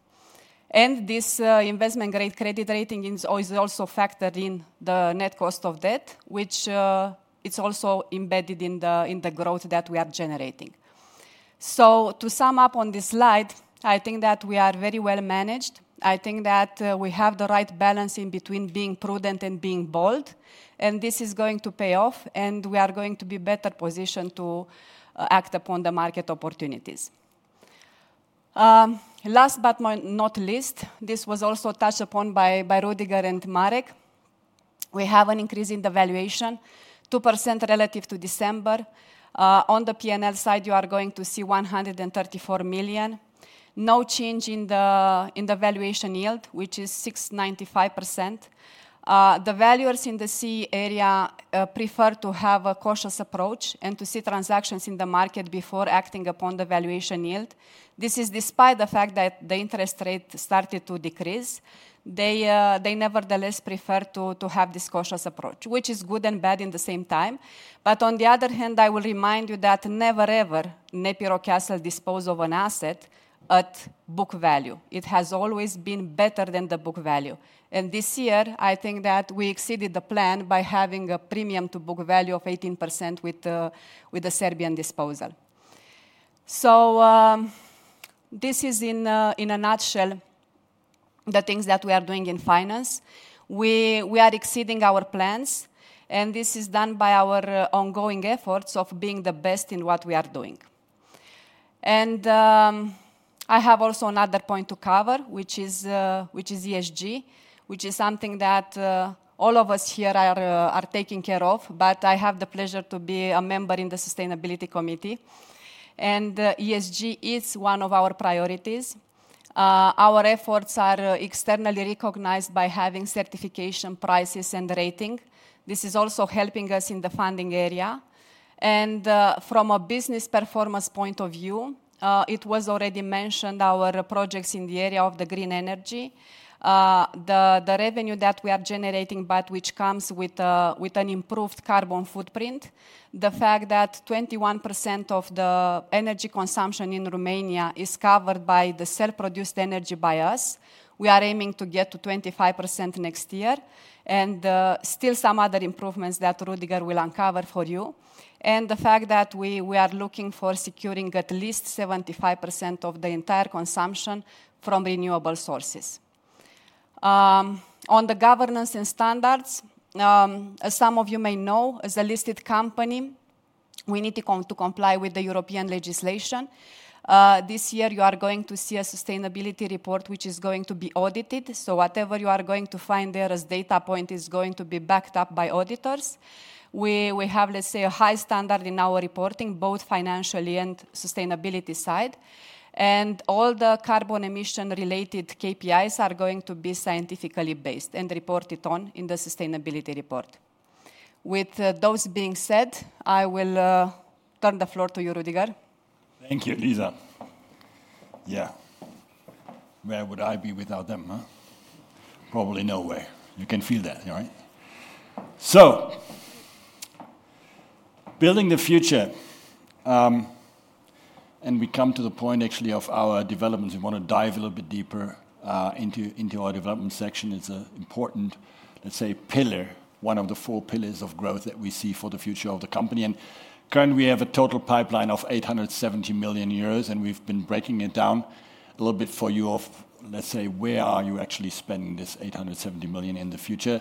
and this investment-grade credit rating is also factored in the net cost of debt, which it's also embedded in the growth that we are generating, so to sum up on this slide, I think that we are very well managed. I think that we have the right balance in between being prudent and being bold, and this is going to pay off, and we are going to be better positioned to act upon the market opportunities. Last but not least, this was also touched upon by Rüdiger and Marek. We have an increase in the valuation, 2% relative to December. On the PLN side, you are going to see 134 million. No change in the valuation yield, which is 6.95%. The valuers in the CEE area prefer to have a cautious approach and to see transactions in the market before acting upon the valuation yield. This is despite the fact that the interest rate started to decrease. They nevertheless prefer to have this cautious approach, which is good and bad in the same time. But on the other hand, I will remind you that never, ever NEPI Rockcastle dispose of an asset at book value. It has always been better than the book value. This year, I think that we exceeded the plan by having a premium to book value of 18% with the Serbian disposal. This is in a nutshell the things that we are doing in finance. We are exceeding our plans, and this is done by our ongoing efforts of being the best in what we are doing. I have also another point to cover, which is ESG, which is something that all of us here are taking care of. But I have the pleasure to be a member in the sustainability committee, and ESG is one of our priorities. Our efforts are externally recognized by having certification, prizes, and ratings. This is also helping us in the funding area. From a business performance point of view, it was already mentioned, our projects in the area of the green energy. The revenue that we are generating, but which comes with an improved carbon footprint. The fact that 21% of the energy consumption in Romania is covered by the self-produced energy by us. We are aiming to get to 25% next year, and still some other improvements that Rüdiger will uncover for you. The fact that we are looking for securing at least 75% of the entire consumption from renewable sources. On the governance and standards, as some of you may know, as a listed company, we need to comply with the European legislation. This year, you are going to see a sustainability report, which is going to be audited. So whatever you are going to find there as data point is going to be backed up by auditors. We have, let's say, a high standard in our reporting, both financially and sustainability side, and all the carbon emission related KPIs are going to be scientifically based and reported on in the sustainability report. With those being said, I will turn the floor to you, Rüdiger. Thank you, Eliza. Yeah. Where would I be without them, huh? Probably nowhere. You can feel that, right? So, building the future, and we come to the point, actually, of our development. We want to dive a little bit deeper into our development section. It's an important, let's say, pillar, one of the four pillars of growth that we see for the future of the company. And currently, we have a total pipeline of 870 million euros, and we've been breaking it down a little bit for you of, let's say, where are you actually spending this 870 million in the future?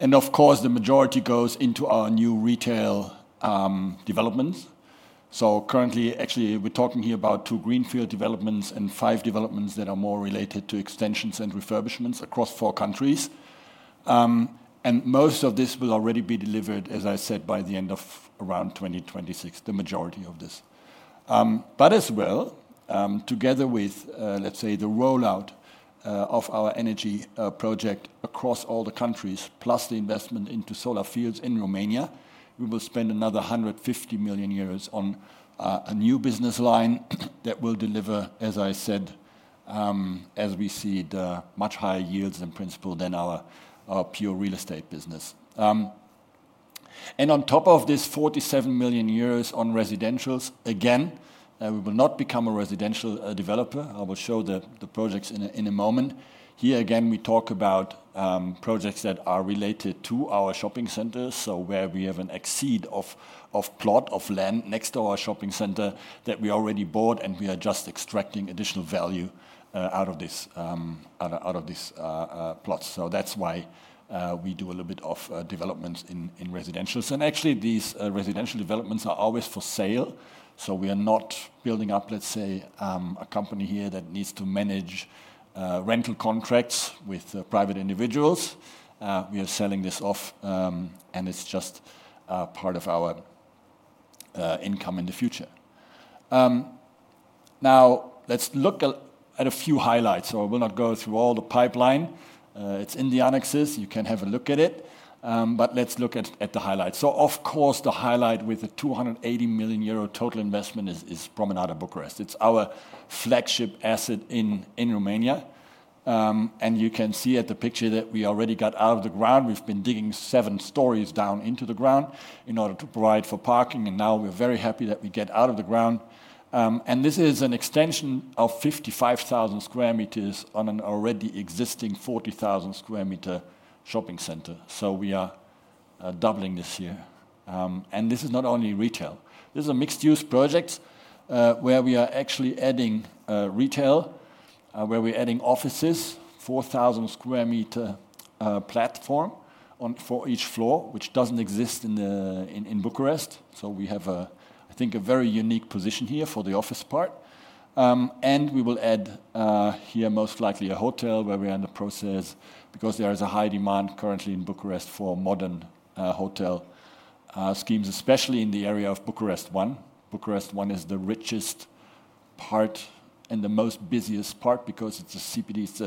And of course, the majority goes into our new retail developments. So currently, actually, we're talking here about two greenfield developments and five developments that are more related to extensions and refurbishments across four countries. And most of this will already be delivered, as I said, by the end of around 2026, the majority of this. But as well, together with, let's say, the rollout of our energy project across all the countries, plus the investment into solar fields in Romania, we will spend another 150 million euros on a new business line that will deliver, as I said, as we see the much higher yields in principle than our pure real estate business. And on top of this, 47 million euros on residentials, again, we will not become a residential developer. I will show the projects in a moment. Here, again, we talk about projects that are related to our shopping centers, so where we have an excess of plot of land next to our shopping center that we already bought, and we are just extracting additional value out of this, out of these plots. So that's why we do a little bit of development in residentials. And actually, these residential developments are always for sale, so we are not building up, let's say, a company here that needs to manage rental contracts with private individuals. We are selling this off, and it's just part of our income in the future. Now let's look at a few highlights, so I will not go through all the pipeline. It's in the annexes. You can have a look at it, but let's look at the highlights. So of course, the highlight with the 280 million euro total investment is Promenada Bucharest. It's our flagship asset in Romania. And you can see at the picture that we already got out of the ground. We've been digging seven stories down into the ground in order to provide for parking, and now we're very happy that we get out of the ground. And this is an extension of 55,000 square meters on an already existing 40,000 square meter shopping center. So we are doubling this here. And this is not only retail. This is a mixed-use project, where we are actually adding retail, where we're adding offices, 4,000 sq m platform for each floor, which doesn't exist in Bucharest. So we have, I think, a very unique position here for the office part. And we will add here, most likely a hotel, where we are in the process because there is a high demand currently in Bucharest for modern hotel schemes, especially in the area of Bucharest One. Bucharest One is the richest part and the most busiest part because it's a CBD, it's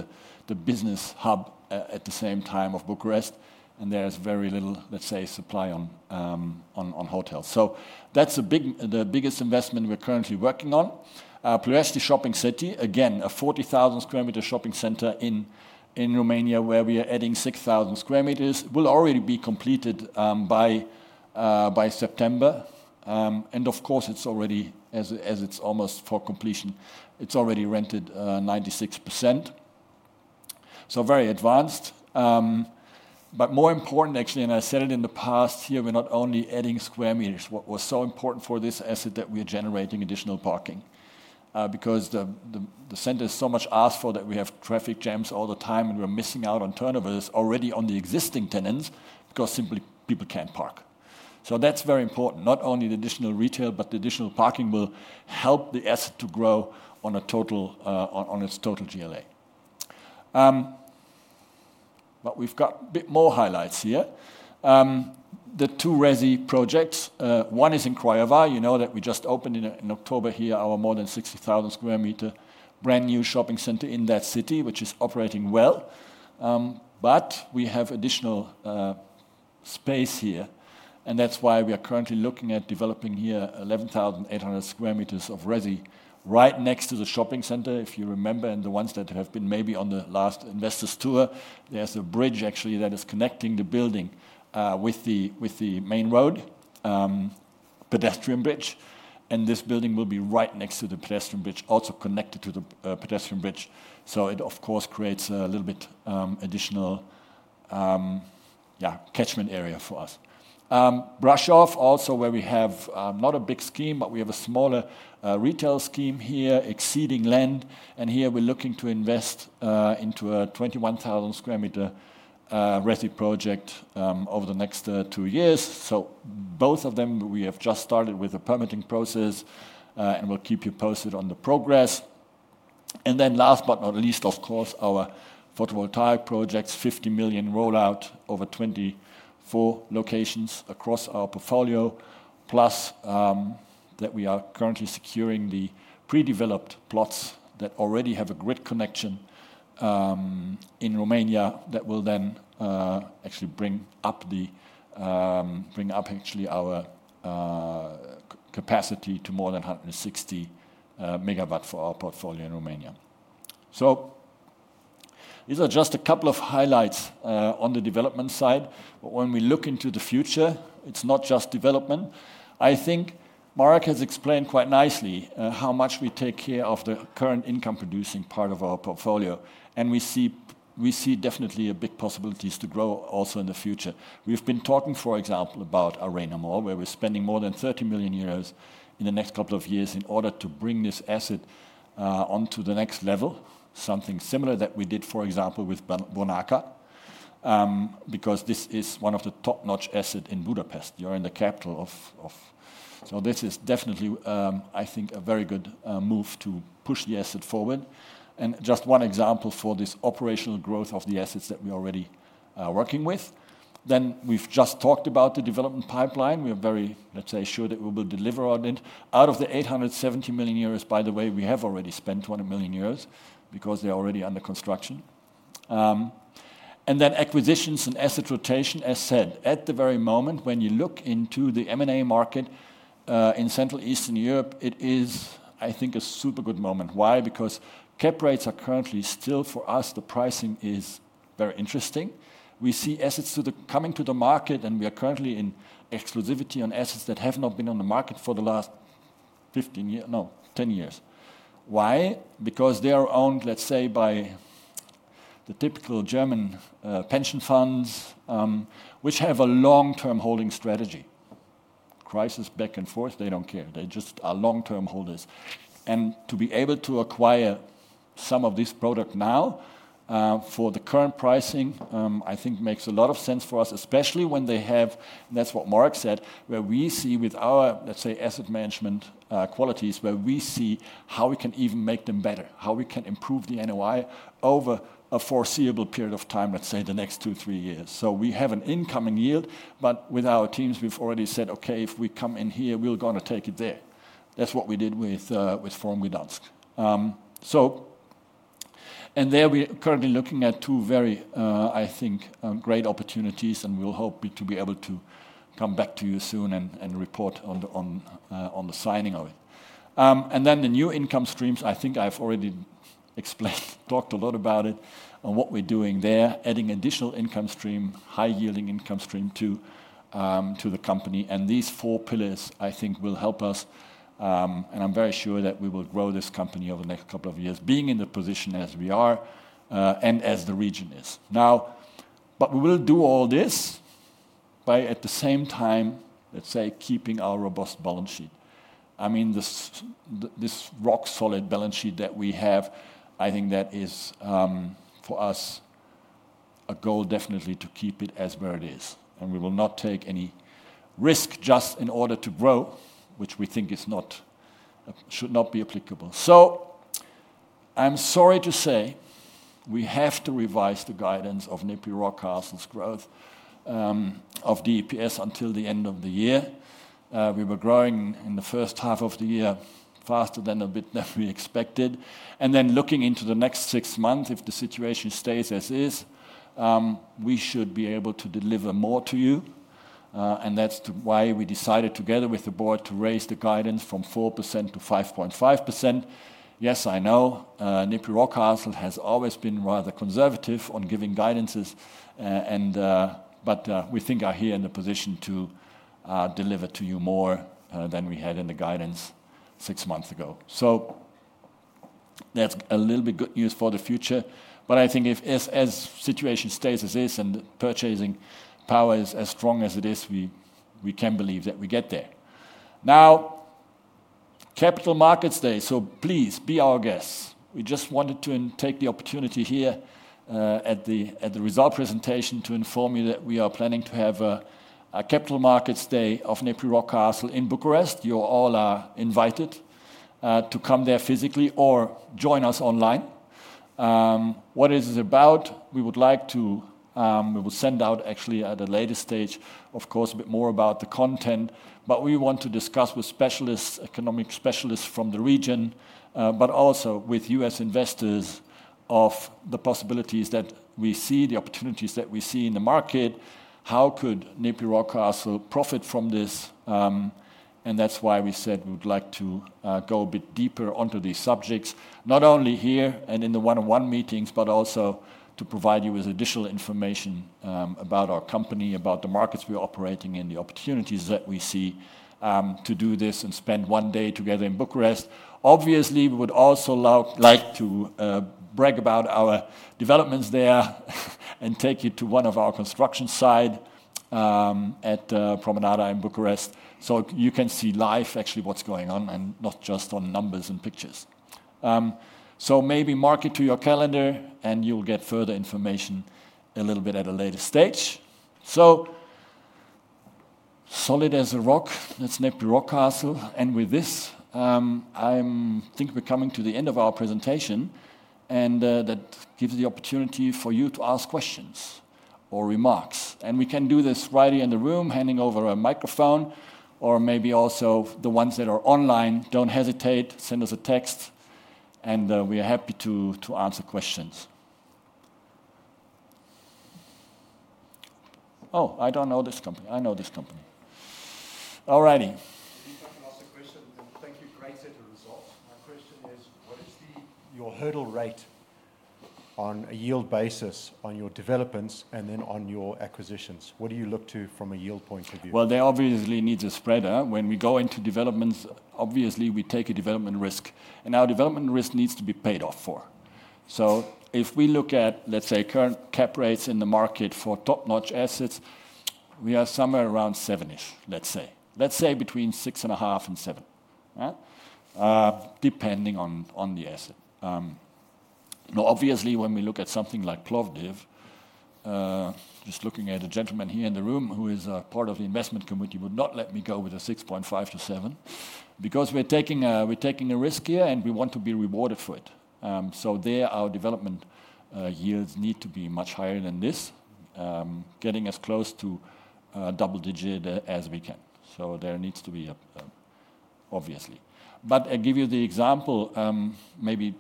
the business hub at the same time of Bucharest, and there is very little, let's say, supply on hotels. So that's the biggest investment we're currently working on. Ploiești Shopping City, again, a 40,000 square meter shopping center in Romania, where we are adding 6,000 square meters, will already be completed by September. And of course, it's already, as it's almost for completion, it's already rented 96%. So very advanced. But more important, actually, and I said it in the past here, we're not only adding square meters. What was so important for this asset that we are generating additional parking, because the center is so much asked for, that we have traffic jams all the time, and we're missing out on turnovers already on the existing tenants because simply people can't park. So that's very important. Not only the additional retail, but the additional parking will help the asset to grow on a total, on its total GLA.... But we've got a bit more highlights here. The two resi projects, one is in Craiova. You know that we just opened in October here, our more than 60,000 square meter brand new shopping center in that city, which is operating well. But we have additional space here, and that's why we are currently looking at developing here 11,800 square meters of resi right next to the shopping center. If you remember, and the ones that have been maybe on the last investors tour, there's a bridge actually, that is connecting the building with the main road, pedestrian bridge. And this building will be right next to the pedestrian bridge, also connected to the pedestrian bridge. So it, of course, creates a little bit additional catchment area for us. Brașov also, where we have not a big scheme, but we have a smaller retail scheme here, existing land. And here, we're looking to invest into a 21,000 square meter resi project over the next two years. So both of them, we have just started with the permitting process, and we'll keep you posted on the progress. And then last but not least, of course, our photovoltaic projects, 50 million rollout over 24 locations across our portfolio. Plus, that we are currently securing the pre-developed plots that already have a grid connection in Romania, that will then actually bring up our capacity to more than 160 megawatt for our portfolio in Romania. So these are just a couple of highlights on the development side. When we look into the future, it's not just development. I think Marek has explained quite nicely how much we take care of the current income-producing part of our portfolio, and we see definitely a big possibilities to grow also in the future. We've been talking, for example, about Arena Mall, where we're spending more than 30 million euros in the next couple of years in order to bring this asset onto the next level. Something similar that we did, for example, with Bonarka, because this is one of the top-notch asset in Budapest, you are in the capital of. This is definitely, I think, a very good move to push the asset forward. Just one example for this operational growth of the assets that we are already working with. We've just talked about the development pipeline. We are very, let's say, sure that we will deliver on it. Out of the 870 million euros, by the way, we have already spent 20 million euros because they're already under construction. And then acquisitions and asset rotation, as said, at the very moment, when you look into the M&A market, in Central Eastern Europe, it is, I think, a super good moment. Why? Because cap rates are currently still for us, the pricing is very interesting. We see assets coming to the market, and we are currently in exclusivity on assets that have not been on the market for the last fifteen year, no, ten years. Why? Because they are owned, let's say, by the typical German, pension funds, which have a long-term holding strategy. Crisis back and forth, they don't care. They just are long-term holders. To be able to acquire some of this product now, for the current pricing, I think makes a lot of sense for us, especially when they have... That's what Marek said, where we see with our, let's say, asset management qualities, where we see how we can even make them better, how we can improve the NOI over a foreseeable period of time, let's say, the next two, three years. We have an incoming yield, but with our teams, we've already said, "Okay, if we come in here, we're gonna take it there." That's what we did with Forum Gdańsk. There we are currently looking at two very, I think, great opportunities, and we'll hope to be able to come back to you soon and report on the signing of it. And then the new income streams, I think I've already explained, talked a lot about it, on what we're doing there, adding additional income stream, high-yielding income stream to the company. And these four pillars, I think, will help us, and I'm very sure that we will grow this company over the next couple of years, being in the position as we are, and as the region is. Now, but we will do all this by, at the same time, let's say, keeping our robust balance sheet. I mean, this rock-solid balance sheet that we have, I think that is for us a goal, definitely, to keep it as where it is. And we will not take any risk just in order to grow, which we think is not should not be applicable. I'm sorry to say, we have to revise the guidance of NEPI Rockcastle's growth of DPS until the end of the year. We were growing in the H1 of the year faster a bit than we expected. Then looking into the next six months, if the situation stays as is, we should be able to deliver more to you. And that's why we decided, together with the board, to raise the guidance from 4% to 5.5%. Yes, I know, NEPI Rockcastle has always been rather conservative on giving guidances, and. But we think we are here in a position to deliver to you more than we had in the guidance six months ago. So that's a little bit good news for the future, but I think if the situation stays as is and purchasing power is as strong as it is, we can believe that we get there. Now, Capital Markets Day, so please be our guest. We just wanted to take the opportunity here at the result presentation to inform you that we are planning to have a Capital Markets Day of NEPI Rockcastle in Bucharest. You all are invited to come there physically or join us online. What is it about? We would like to... We will send out actually at a later stage, of course, a bit more about the content, but we want to discuss with specialists, economic specialists from the region, but also with U.S. investors, of the possibilities that we see, the opportunities that we see in the market. How could NEPI Rockcastle profit from this, and that's why we said we would like to go a bit deeper onto these subjects, not only here and in the one-on-one meetings, but also to provide you with additional information, about our company, about the markets we are operating in, the opportunities that we see, to do this, and spend one day together in Bucharest. Obviously, we would also like to brag about our developments there and take you to one of our construction site at Promenada in Bucharest, so you can see live actually what's going on, and not just on numbers and pictures. So maybe mark it to your calendar, and you'll get further information a little bit at a later stage. Solid as a rock, that's NEPI Rockcastle. With this, I think we're coming to the end of our presentation, and that gives the opportunity for you to ask questions or remarks. We can do this right here in the room, handing over a microphone, or maybe also the ones that are online, don't hesitate. Send us a text, and we are happy to answer questions. Oh, I don't know this company. I know this company. All righty.... If I can ask a question, then thank you. Great set of results. My question is: What is the, your hurdle rate on a yield basis on your developments, and then on your acquisitions? What do you look to from a yield point of view? There obviously needs a spreader. When we go into developments, obviously, we take a development risk, and our development risk needs to be paid off for. So if we look at, let's say, current cap rates in the market for top-notch assets, we are somewhere around seven-ish, let's say. Let's say between six and a half and seven. Depending on the asset. Now, obviously, when we look at something like Plovdiv, just looking at a gentleman here in the room who is a part of the investment committee, would not let me go with a six point five to seven. Because we're taking a risk here, and we want to be rewarded for it. So there, our development yields need to be much higher than this, getting as close to double digit as we can. There needs to be a, obviously. But I give you the example, maybe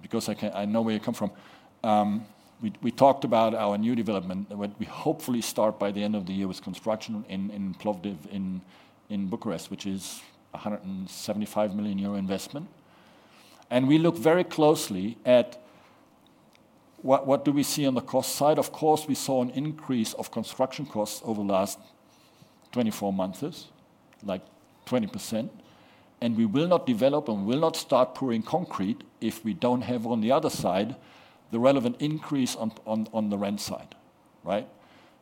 because I know where you come from. We talked about our new development, when we hopefully start by the end of the year with construction in Plovdiv, in Bucharest, which is a 175 million euro investment. And we look very closely at what do we see on the cost side? Of course, we saw an increase of construction costs over the last 24 months, like 20%, and we will not develop and will not start pouring concrete if we don't have, on the other side, the relevant increase on the rent side, right?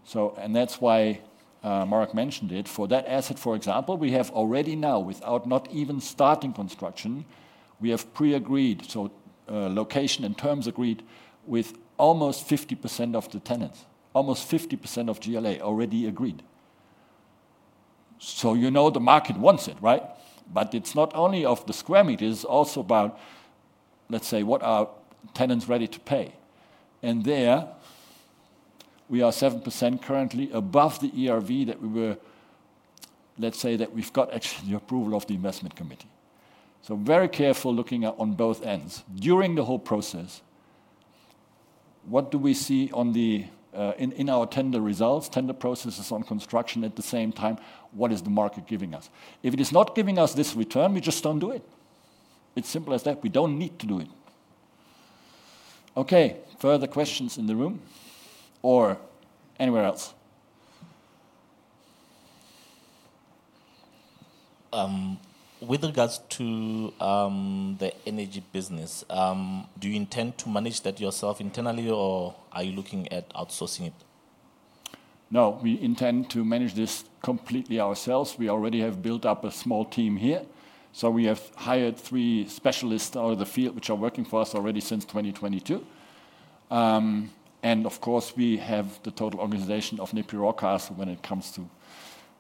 So and that's why Mark mentioned it. For that asset, for example, we have already now, without even starting construction, we have pre-agreed, so, location and terms agreed, with almost 50% of the tenants, almost 50% of GLA already agreed. So you know the market wants it, right? But it's not only of the square meters, it's also about, let's say, what are tenants ready to pay? And there, we are 7% currently above the ERV that we were. Let's say that we've got actually the approval of the investment committee. So very careful looking at on both ends. During the whole process, what do we see on the, in our tender results, tender processes on construction, at the same time, what is the market giving us? If it is not giving us this return, we just don't do it. It's simple as that. We don't need to do it. Okay, further questions in the room or anywhere else? With regards to the energy business, do you intend to manage that yourself internally or are you looking at outsourcing it? No, we intend to manage this completely ourselves. We already have built up a small team here, so we have hired three specialists out of the field, which are working for us already since 2022. And of course, we have the total organization of NEPI Rockcastle when it comes to,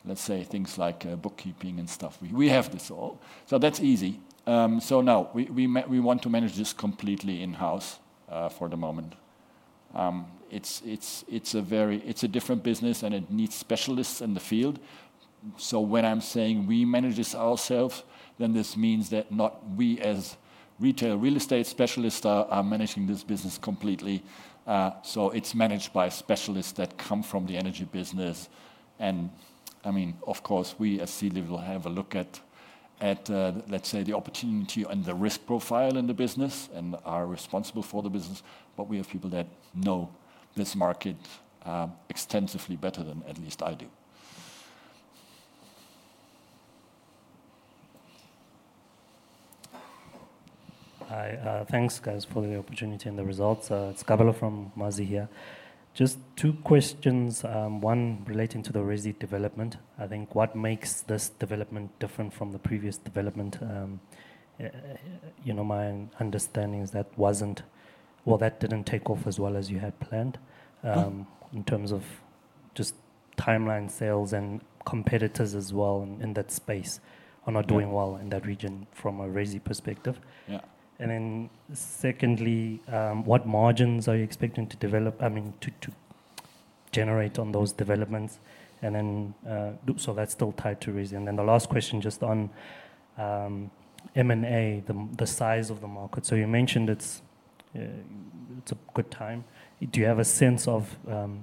let's say, things like, bookkeeping and stuff. We have this all, so that's easy. So no, we want to manage this completely in-house, for the moment. It's a different business, and it needs specialists in the field. So when I'm saying we manage this ourselves, then this means that not we as retail real estate specialists are managing this business completely. So it's managed by specialists that come from the energy business. I mean, of course, we as C-level have a look at, let's say, the opportunity and the risk profile in the business and are responsible for the business, but we have people that know this market extensively better than at least I do. Hi, thanks, guys, for the opportunity and the results. It's Kabalo from Mazi here. Just two questions, one relating to the resi development. I think what makes this development different from the previous development, you know, my understanding is that wasn't... Well, that didn't take off as well as you had planned. Mm-hmm... in terms of just timeline sales and competitors as well in that space are not doing well. Yeah. in that region from a resi perspective. Yeah. And then secondly, what margins are you expecting to develop, I mean, to generate on those developments? And then, so that's still tied to resi. And then the last question, just on M&A, the size of the market. So you mentioned it's a good time. Do you have a sense of,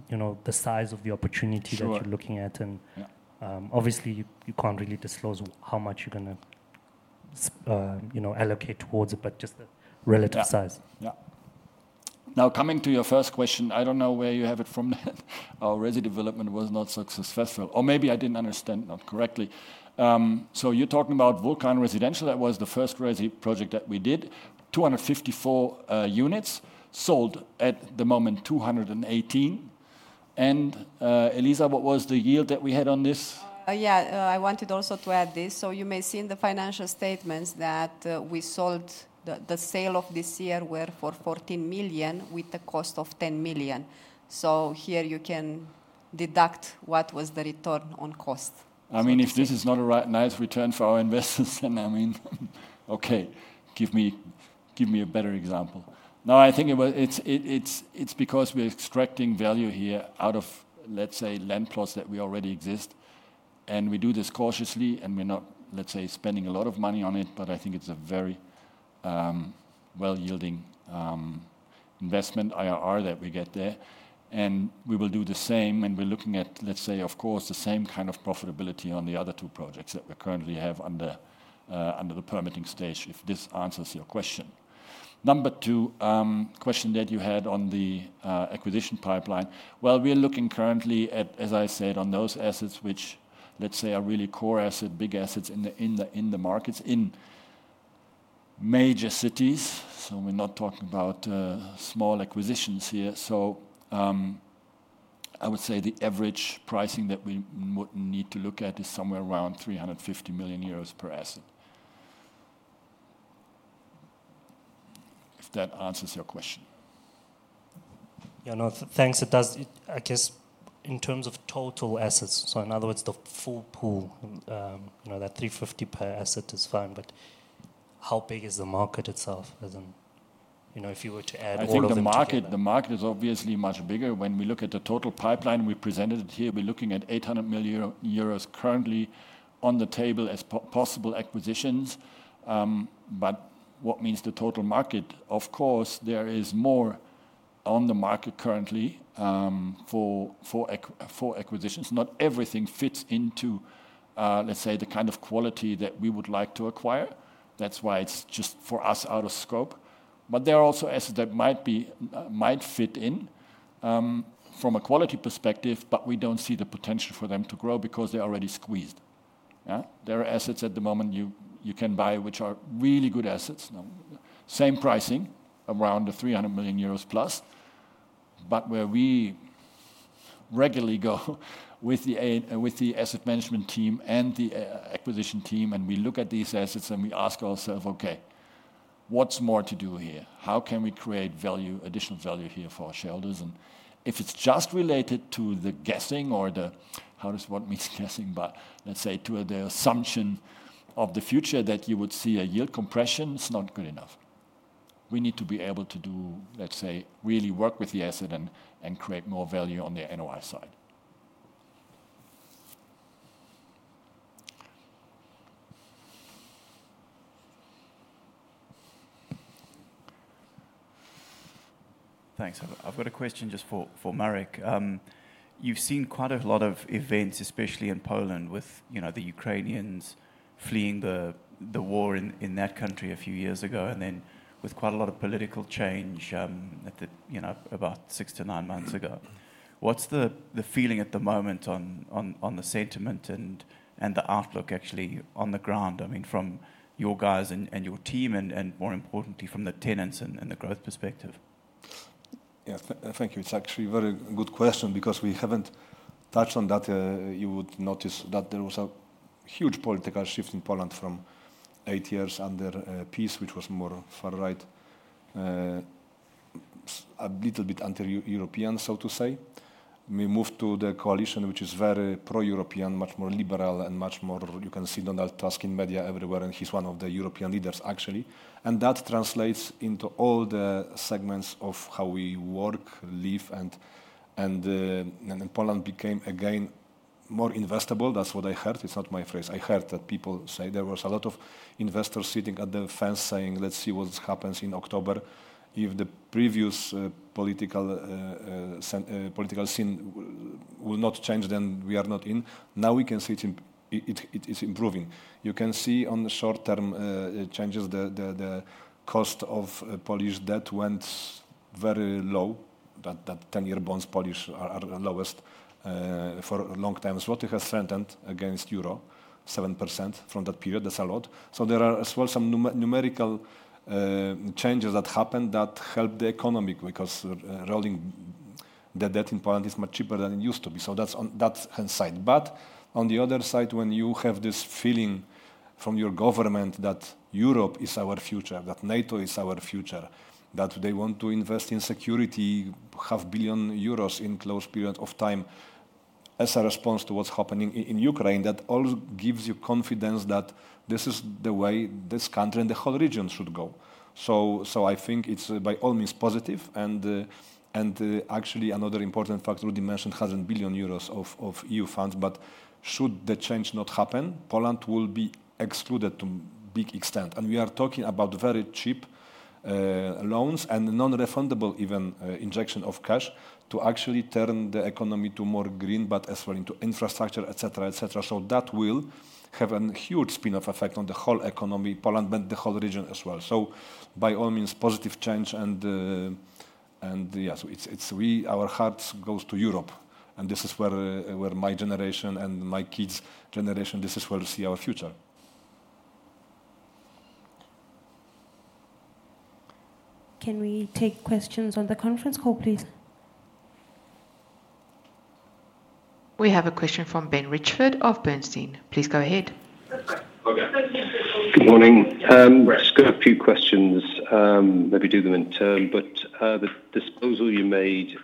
you know, the size of the opportunity- Sure. that you're looking at? Yeah. Obviously, you can't really disclose how much you're gonna, you know, allocate towards it, but just the relative size. Yeah. Yeah. Now, coming to your first question, I don't know where you have it from that our resi development was not successful, or maybe I didn't understand that correctly. So you're talking about Vulcan Residence. That was the first resi project that we did. 254 units. Sold, at the moment, 218. And, Eliza, what was the yield that we had on this? I wanted also to add this, so you may see in the financial statements that we sold. The sale of this year were for 14 million, with a cost of 10 million, so here you can deduct what was the return on cost, so to say. I mean, if this is not a right, nice return for our investors, then I mean, okay, give me a better example. No, I think it's because we're extracting value here out of, let's say, land plots that already exist. And we do this cautiously, and we're not, let's say, spending a lot of money on it, but I think it's a very well-yielding investment IRR that we get there. And we will do the same, and we're looking at, let's say, of course, the same kind of profitability on the other two projects that we currently have under the permitting stage, if this answers your question. Number two, question that you had on the acquisition pipeline. We are looking currently at, as I said, on those assets, which, let's say, are really core asset, big assets in the markets, in major cities. So we're not talking about small acquisitions here. So, I would say the average pricing that we would need to look at is somewhere around 350 million euros per asset. If that answers your question. Yeah, no, thanks, it does. It I guess in terms of total assets, so in other words, the full pool, you know, that 350 per asset is fine, but how big is the market itself as in, you know, if you were to add all of them together? I think the market, the market is obviously much bigger. When we look at the total pipeline, we presented it here, we're looking at 800 million euros currently on the table as possible acquisitions. But what means the total market? Of course, there is more on the market currently, for acquisitions. Not everything fits into, let's say, the kind of quality that we would like to acquire. That's why it's just, for us, out of scope. But there are also assets that might be, might fit in, from a quality perspective, but we don't see the potential for them to grow because they're already squeezed. Yeah. There are assets at the moment you can buy, which are really good assets. Same pricing, around the 300 million euros plus. But where we regularly go with the asset management team and the acquisition team, and we look at these assets, and we ask ourselves: "Okay, what's more to do here? How can we create value, additional value here for our shareholders?" And if it's just related to the guessing or the, what does guessing mean? But let's say, to the assumption of the future that you would see a yield compression, it's not good enough. We need to be able to do, let's say, really work with the asset and create more value on the NOI side. Thanks. I've got a question just for Marek. You've seen quite a lot of events, especially in Poland, with, you know, the Ukrainians fleeing the war in that country a few years ago, and then with quite a lot of political change, you know, about six to nine months ago. What's the feeling at the moment on the sentiment and the outlook actually on the ground, I mean, from your guys and your team and, more importantly, from the tenants and the growth perspective? Yeah, thank you. It's actually a very good question because we haven't touched on that. You would notice that there was a huge political shift in Poland from eight years under PiS, which was more far right, a little bit anti-European, so to say. We moved to the coalition, which is very pro-European, much more liberal and much more. You can see Donald Tusk in the media everywhere, and he's one of the European leaders, actually. And that translates into all the segments of how we work, live, and Poland became again more investable. That's what I heard. It's not my phrase. I heard that people say there was a lot of investors sitting on the fence saying: "Let's see what happens in October. If the previous political scene will not change, then we are not in. Now, we can see it is improving. You can see on the short term changes, the cost of Polish debt went very low, that ten-year Polish bonds are the lowest for a long time. Zloty has strengthened against euro 7% from that period. That's a lot. So there are as well some numerical changes that happened that helped the economy, because rolling the debt in Poland is much cheaper than it used to be, so that's on that hand side. But on the other side, when you have this feeling from your government that Europe is our future, that NATO is our future, that they want to invest in security, 500 million euros in a short period of time as a response to what's happening in Ukraine, that all gives you confidence that this is the way this country and the whole region should go. So, I think it's by all means positive, and actually, another important factor you mentioned 1 trillion euros of EU funds. But should the change not happen, Poland will be excluded to a big extent. And we are talking about very cheap loans and non-refundable, even, injection of cash to actually turn the economy to more green, but as well into infrastructure, et cetera. So that will have a huge spin-off effect on the whole economy, Poland, but the whole region as well. So by all means, positive change and, so it's we our hearts goes to Europe, and this is where, where my generation and my kids' generation, this is where we see our future. Can we take questions on the conference call, please? We have a question from Ben Richford of Bernstein. Please go ahead. Okay. Good morning. Just got a few questions, maybe do them in turn, but, the disposal you made,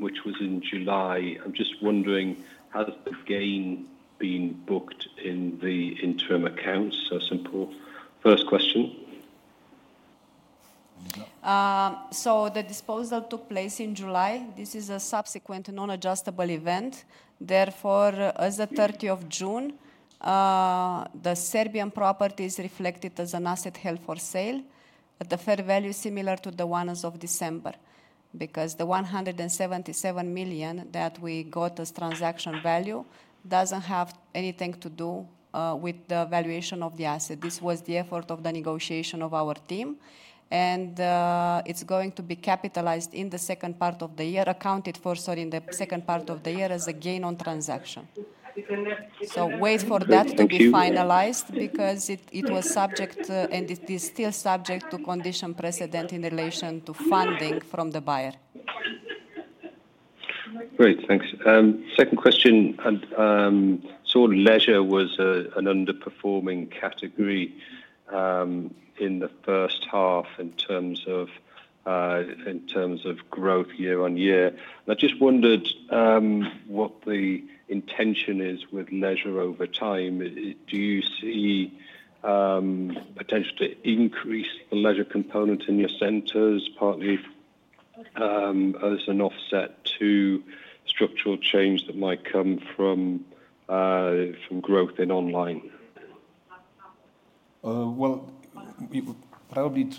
which was in July, I'm just wondering, has the gain been booked in the interim accounts? So simple first question. So the disposal took place in July. This is a subsequent non-adjustable event. Therefore, as at 30 June, the Serbian property is reflected as an asset held for sale, at the fair value, similar to the one as of December. Because the 177 million that we got as transaction value doesn't have anything to do with the valuation of the asset. This was the effort of the negotiation of our team, and it's going to be capitalized in the second part of the year, accounted for, sorry, in the second part of the year as a gain on transaction. So wait for that to be finalized- Thank you... because it was subject to, and it is still subject to condition precedent in relation to funding from the buyer. Great, thanks. Second question, and so leisure was an underperforming category in the H1 in terms of growth year on year. I just wondered what the intention is with leisure over time. Do you see potential to increase the leisure component in your centers, partly as an offset to structural change that might come from growth in online? Probably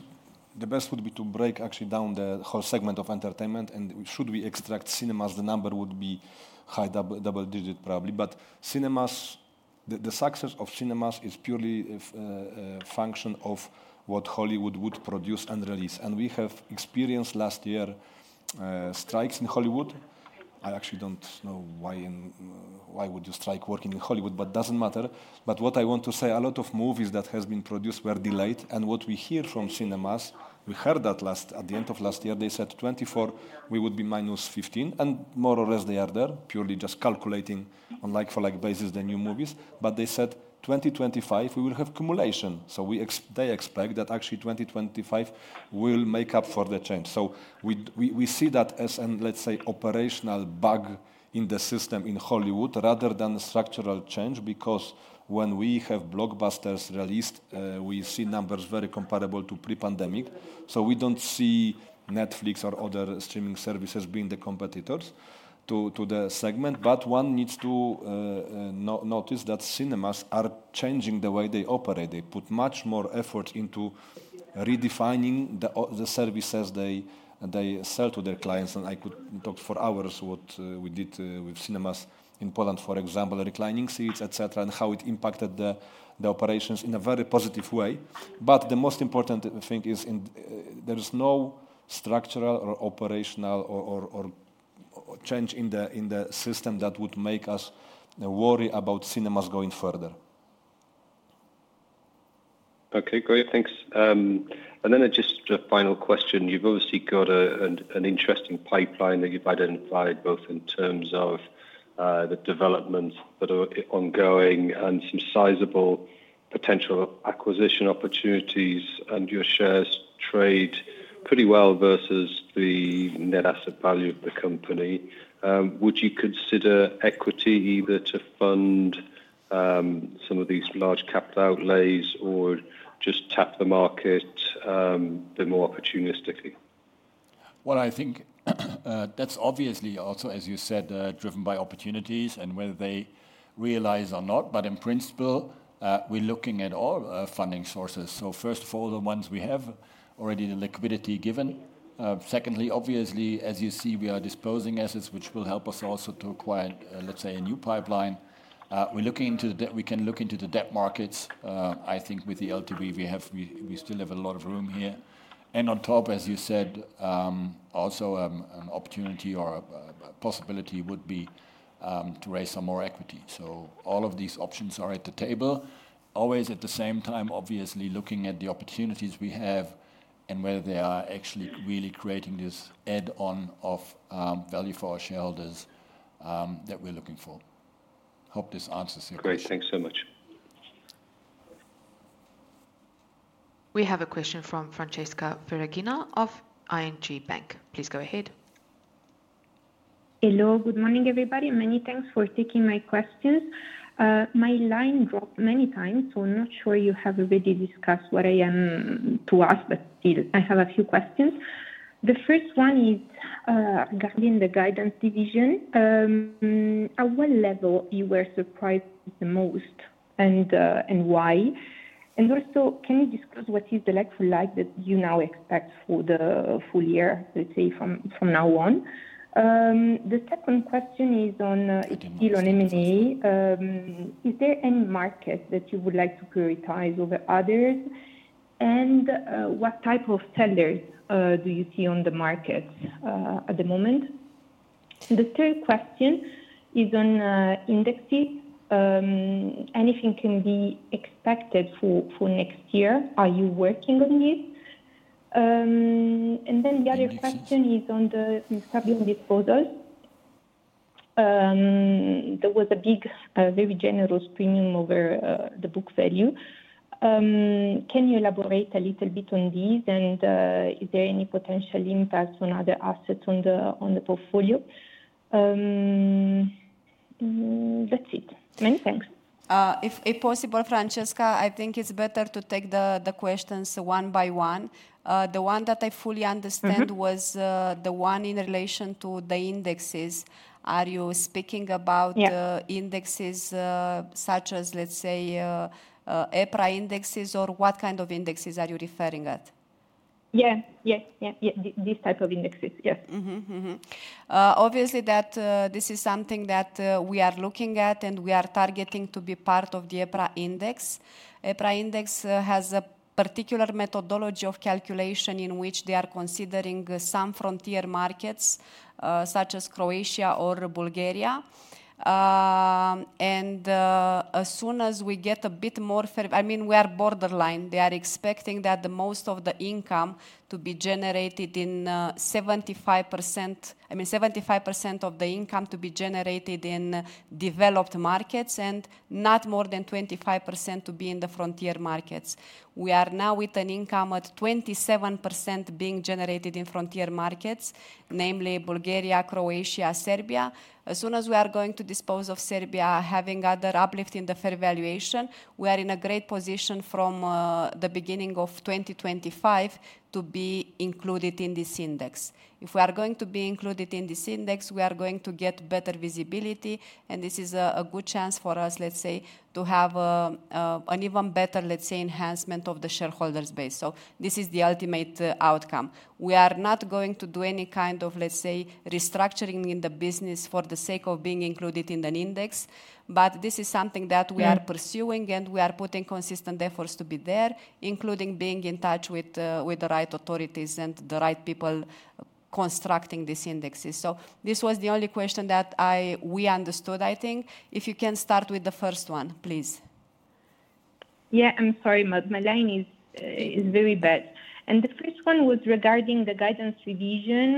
the best would be to break actually down the whole segment of entertainment, and should we extract cinemas, the number would be high double-digit, probably. Cinemas, the success of cinemas is purely, function of what Hollywood would produce and release. We have experienced last year, strikes in Hollywood. I actually don't know why why would you strike working in Hollywood, but doesn't matter. What I want to say, a lot of movies that has been produced were delayed, and what we hear from cinemas, we heard that last, at the end of last year, they said, "Twenty-four, we would be minus fifteen," and more or less, they are there, purely just calculating on like-for-like basis, the new movies. But they said, "2025, we will have cumulation." So they expect that actually 2025 will make up for the change. So we see that as an, let's say, operational bug in the system in Hollywood rather than structural change, because when we have blockbusters released, we see numbers very comparable to pre-pandemic. So we don't see Netflix or other streaming services being the competitors to the segment. But one needs to notice that cinemas are changing the way they operate. They put much more effort into redefining the services they sell to their clients, and I could talk for hours what we did with cinemas in Poland, for example, reclining seats, et cetera, and how it impacted the operations in a very positive way. But the most important thing is, there is no structural or operational change in the system that would make us worry about cinemas going further. Okay, great. Thanks, and then just a final question. You've obviously got an interesting pipeline that you've identified, both in terms of the developments that are ongoing and some sizable potential acquisition opportunities, and your shares trade pretty well versus the net asset value of the company. Would you consider equity either to fund some of these large capital outlays or just tap the market bit more opportunistically? I think that's obviously also, as you said, driven by opportunities and whether they realize or not, but in principle we're looking at all funding sources. First of all, the ones we have already, the liquidity given. Secondly, obviously, as you see, we are disposing assets, which will help us also to acquire, let's say, a new pipeline. We can look into the debt markets. I think with the LTV we still have a lot of room here. On top, as you said, also an opportunity or a possibility would be to raise some more equity. So all of these options are at the table. Always at the same time, obviously, looking at the opportunities we have and whether they are actually really creating this add-on of value for our shareholders that we're looking for. Hope this answers your question. Great. Thanks so much.... We have a question from Francesca Verghina of ING Bank. Please go ahead. Hello. Good morning, everybody, and many thanks for taking my questions. My line dropped many times, so I'm not sure you have already discussed what I am to ask, but still, I have a few questions. The first one is, regarding the guidance division. At what level you were surprised the most, and why? And also, can you discuss what is the like-for-like that you now expect for the full year, let's say, from now on? The second question is on, still on M&A. Is there any market that you would like to prioritize over others? And, what type of sellers do you see on the market at the moment? The third question is on, indexes. Anything can be expected for next year. Are you working on this? And then the other question is on the Serbian disposal. There was a big, very generous premium over the book value. Can you elaborate a little bit on this? And, is there any potential impact on other assets on the portfolio? That's it. Many thanks. If possible, Francesca, I think it's better to take the questions one by one. The one that I fully understand- Mm-hmm... was the one in relation to the indexes. Are you speaking about- Yeah... the indexes, such as, let's say, EPRA indexes, or what kind of indexes are you referring at? Yeah. Yeah, yeah, yeah, these type of indexes. Yeah. Obviously, that this is something that we are looking at, and we are targeting to be part of the EPRA Index. EPRA Index has a particular methodology of calculation in which they are considering some frontier markets, such as Croatia or Bulgaria. As soon as we get a bit more fair—I mean, we are borderline. They are expecting that the most of the income to be generated in 75%—I mean, 75% of the income to be generated in developed markets, and not more than 25% to be in the frontier markets. We are now with an income at 27% being generated in frontier markets, namely Bulgaria, Croatia, Serbia. As soon as we are going to dispose of Serbia, having other uplift in the fair valuation, we are in a great position from the beginning of twenty twenty-five to be included in this index. If we are going to be included in this index, we are going to get better visibility, and this is a good chance for us, let's say, to have an even better, let's say, enhancement of the shareholders' base. So this is the ultimate outcome. We are not going to do any kind of, let's say, restructuring in the business for the sake of being included in an index, but this is something that- Yeah... we are pursuing, and we are putting consistent efforts to be there, including being in touch with, with the right authorities and the right people constructing these indexes. So this was the only question that we understood, I think. If you can start with the first one, please. Yeah, I'm sorry. My line is very bad. And the first one was regarding the guidance revision.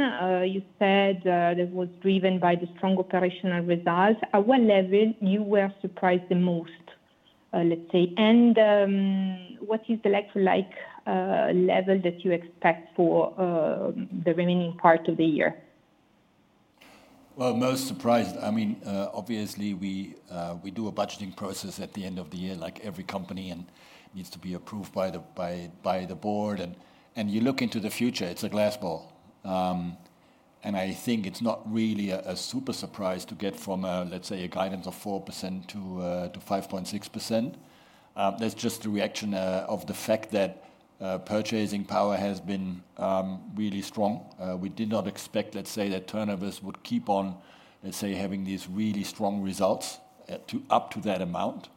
You said that was driven by the strong operational results. At what level you were surprised the most, let's say? And, what is the like-for-like level that you expect for the remaining part of the year? Most surprised, I mean, obviously, we do a budgeting process at the end of the year, like every company, and needs to be approved by the board. And you look into the future, it's a crystal ball. And I think it's not really a super surprise to get from a, let's say, a guidance of 4% to 5.6%. That's just a reaction of the fact that purchasing power has been really strong. We did not expect, let's say, that turnover would keep on, let's say, having these really strong results up to that amount,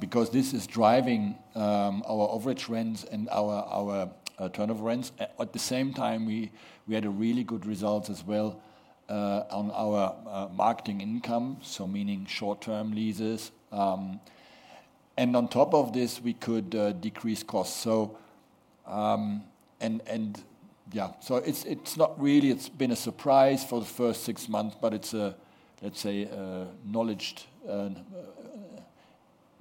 because this is driving our rental trends and our turnover rents. At the same time, we had really good results as well on our marketing income, so meaning short-term leases. On top of this, we could decrease costs. It's not really been a surprise for the first six months, but it's, let's say, acknowledged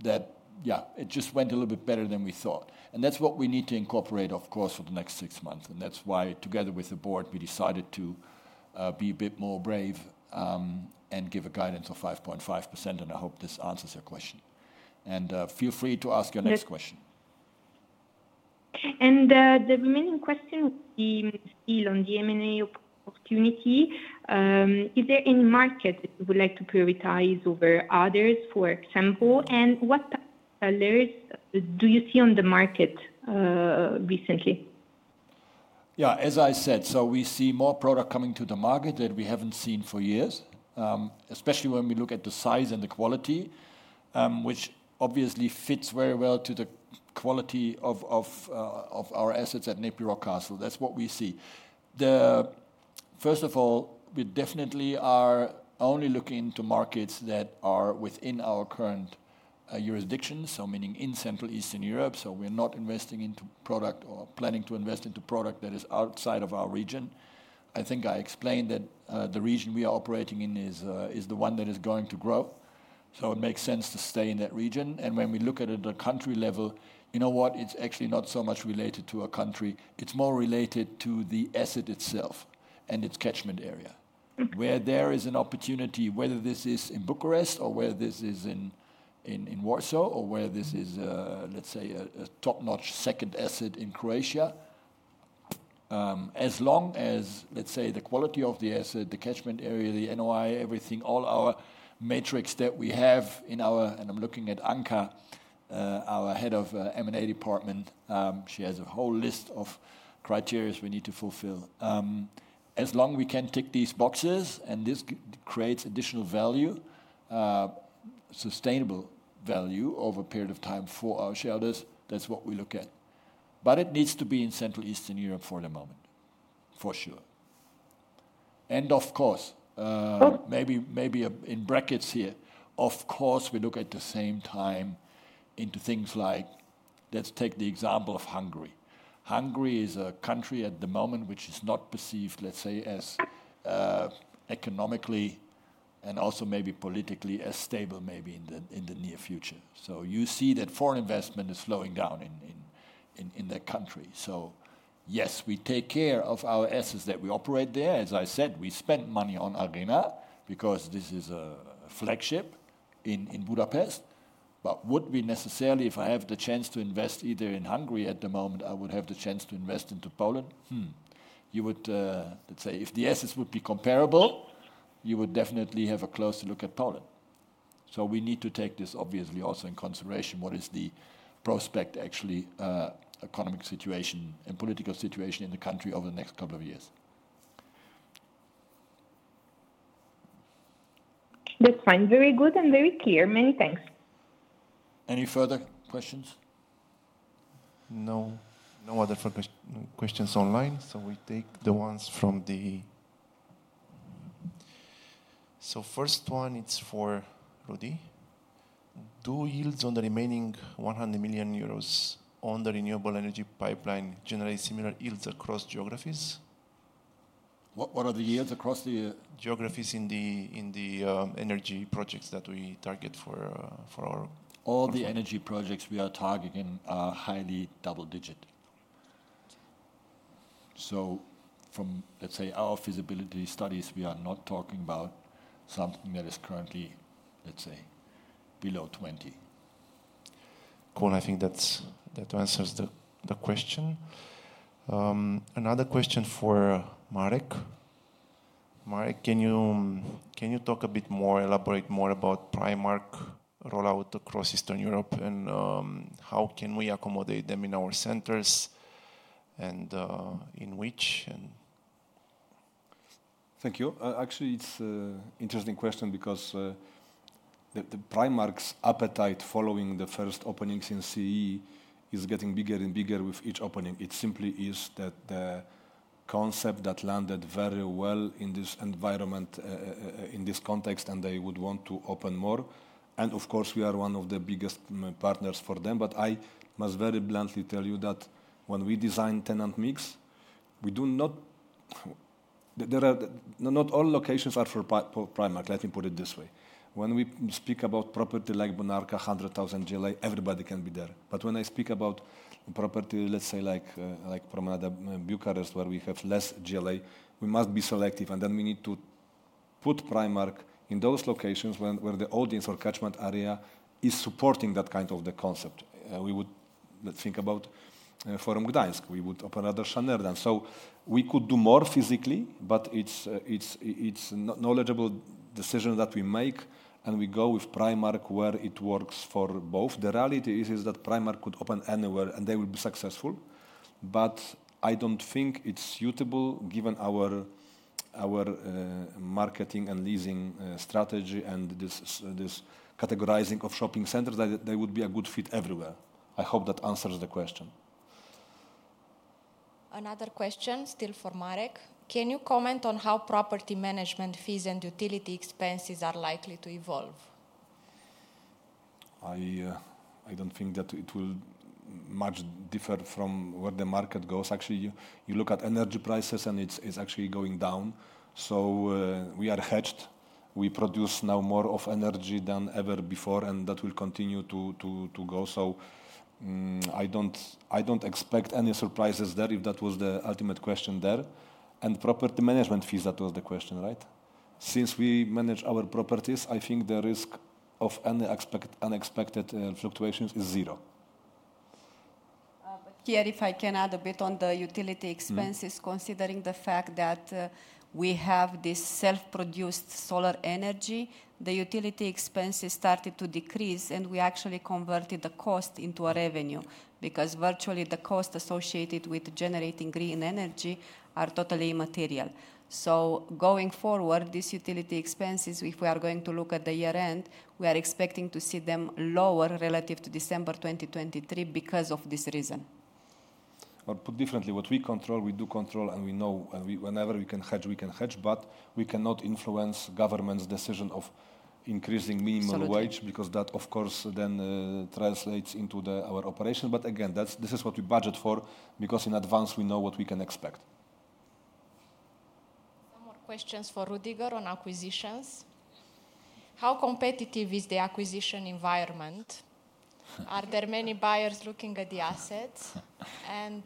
that it just went a little bit better than we thought. That's what we need to incorporate, of course, for the next six months. That's why, together with the board, we decided to be a bit more brave and give a guidance of 5.5%, and I hope this answers your question. Feel free to ask your next question. Yeah, and the remaining question is still on the M&A opportunity. Is there any market you would like to prioritize over others, for example, and what sellers do you see on the market, recently? Yeah, as I said, so we see more product coming to the market that we haven't seen for years, especially when we look at the size and the quality, which obviously fits very well to the quality of our assets at NEPI Rockcastle. That's what we see. First of all, we definitely are only looking into markets that are within our current jurisdiction, so meaning in Central Eastern Europe, so we're not investing into product or planning to invest into product that is outside of our region. I think I explained that the region we are operating in is the one that is going to grow. So it makes sense to stay in that region. And when we look at it at a country level, you know what? It's actually not so much related to a country, it's more related to the asset itself and its catchment area. Where there is an opportunity, whether this is in Bucharest or whether this is in Warsaw or whether this is, let's say, a top-notch second asset in Croatia, as long as, let's say, the quality of the asset, the catchment area, the NOI, everything, all our metrics that we have in our. And I'm looking at Anca, our head of M&A department. She has a whole list of criteria we need to fulfill. As long we can tick these boxes, and this creates additional value, sustainable value over a period of time for our shareholders, that's what we look at. But it needs to be in Central Eastern Europe for the moment, for sure. Of course, maybe in brackets here, of course, we look at the same time into things like, let's take the example of Hungary. Hungary is a country at the moment which is not perceived, let's say, as economically and also maybe politically as stable, maybe in the near future. So you see that foreign investment is slowing down in that country. So yes, we take care of our assets that we operate there. As I said, we spent money on Arena because this is a flagship in Budapest. But would we necessarily, if I have the chance to invest either in Hungary at the moment, I would have the chance to invest into Poland? Hmm. You would, let's say, if the assets would be comparable, you would definitely have a closer look at Poland. So we need to take this obviously also in consideration. What is the prospect, actually, economic situation and political situation in the country over the next couple of years? That's fine. Very good and very clear. Many thanks. Any further questions? No. No other further questions online, so we take the ones from the... So first one, it's for Rudy: Do yields on the remaining 100 million euros on the renewable energy pipeline generate similar yields across geographies? What are the yields across the- Geographies in the energy projects that we target for our- All the energy projects we are targeting are highly double-digit. So from, let's say, our feasibility studies, we are not talking about something that is currently, let's say, below 20. Cool. I think that answers the question. Another question for Marek. Marek, can you talk a bit more, elaborate more about Primark rollout across Eastern Europe, and how can we accommodate them in our centers, and in which, and- Thank you. Actually, it's an interesting question because the Primark's appetite following the first openings in CE is getting bigger and bigger with each opening. It simply is that the concept that landed very well in this environment, in this context, and they would want to open more. And of course, we are one of the biggest partners for them. But I must very bluntly tell you that when we design tenant mix, we do not. There are not all locations are for Primark, let me put it this way. When we speak about property like Bonarka, 100,000 GLA, everybody can be there. But when I speak about property, let's say like, like Promenada Bucharest, where we have less GLA, we must be selective, and then we need to put Primark in those locations where the audience or catchment area is supporting that kind of the concept. We would, let's think about Forum Gdańsk, we would open another channel then. So we could do more physically, but it's knowledgeable decision that we make, and we go with Primark where it works for both. The reality is that Primark could open anywhere, and they will be successful. But I don't think it's suitable, given our marketing and leasing strategy and this categorizing of shopping centers, that they would be a good fit everywhere. I hope that answers the question. Another question, still for Marek: Can you comment on how property management fees and utility expenses are likely to evolve? I don't think that it will much differ from where the market goes. Actually, you look at energy prices, and it's actually going down. So, we are hedged. We produce now more of energy than ever before, and that will continue to go. So, I don't expect any surprises there, if that was the ultimate question there, and property management fees, that was the question, right? Since we manage our properties, I think the risk of any unexpected fluctuations is zero. But here, if I can add a bit on the utility expenses- Mm. Considering the fact that we have this self-produced solar energy, the utility expenses started to decrease, and we actually converted the cost into a revenue, because virtually, the cost associated with generating green energy are totally immaterial. So going forward, these utility expenses, if we are going to look at the year-end, we are expecting to see them lower relative to December 2023 because of this reason. Or put differently, what we control, we do control, and we know, and we, whenever we can hedge, we can hedge, but we cannot influence government's decision of increasing minimum wage. Salary... because that, of course, then, translates into the, our operation. But again, that's, this is what we budget for because in advance, we know what we can expect. Some more questions for Rüdiger on acquisitions. How competitive is the acquisition environment? Are there many buyers looking at the assets? And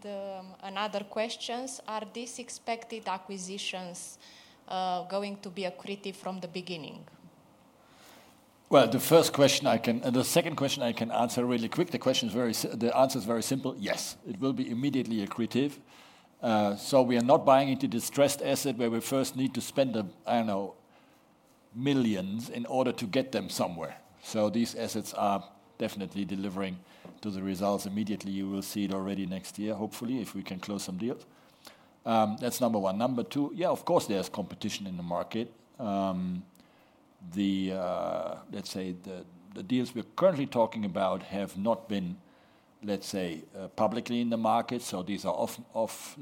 another questions, are these expected acquisitions going to be accretive from the beginning? The first question I can answer really quick. The answer is very simple: yes, it will be immediately accretive. So we are not buying into distressed asset, where we first need to spend, I don't know, millions in order to get them somewhere. So these assets are definitely delivering to the results immediately. You will see it already next year, hopefully, if we can close some deals. That's number one. Number two, yeah, of course, there's competition in the market. The, let's say the deals we're currently talking about have not been, let's say, publicly in the market, so these are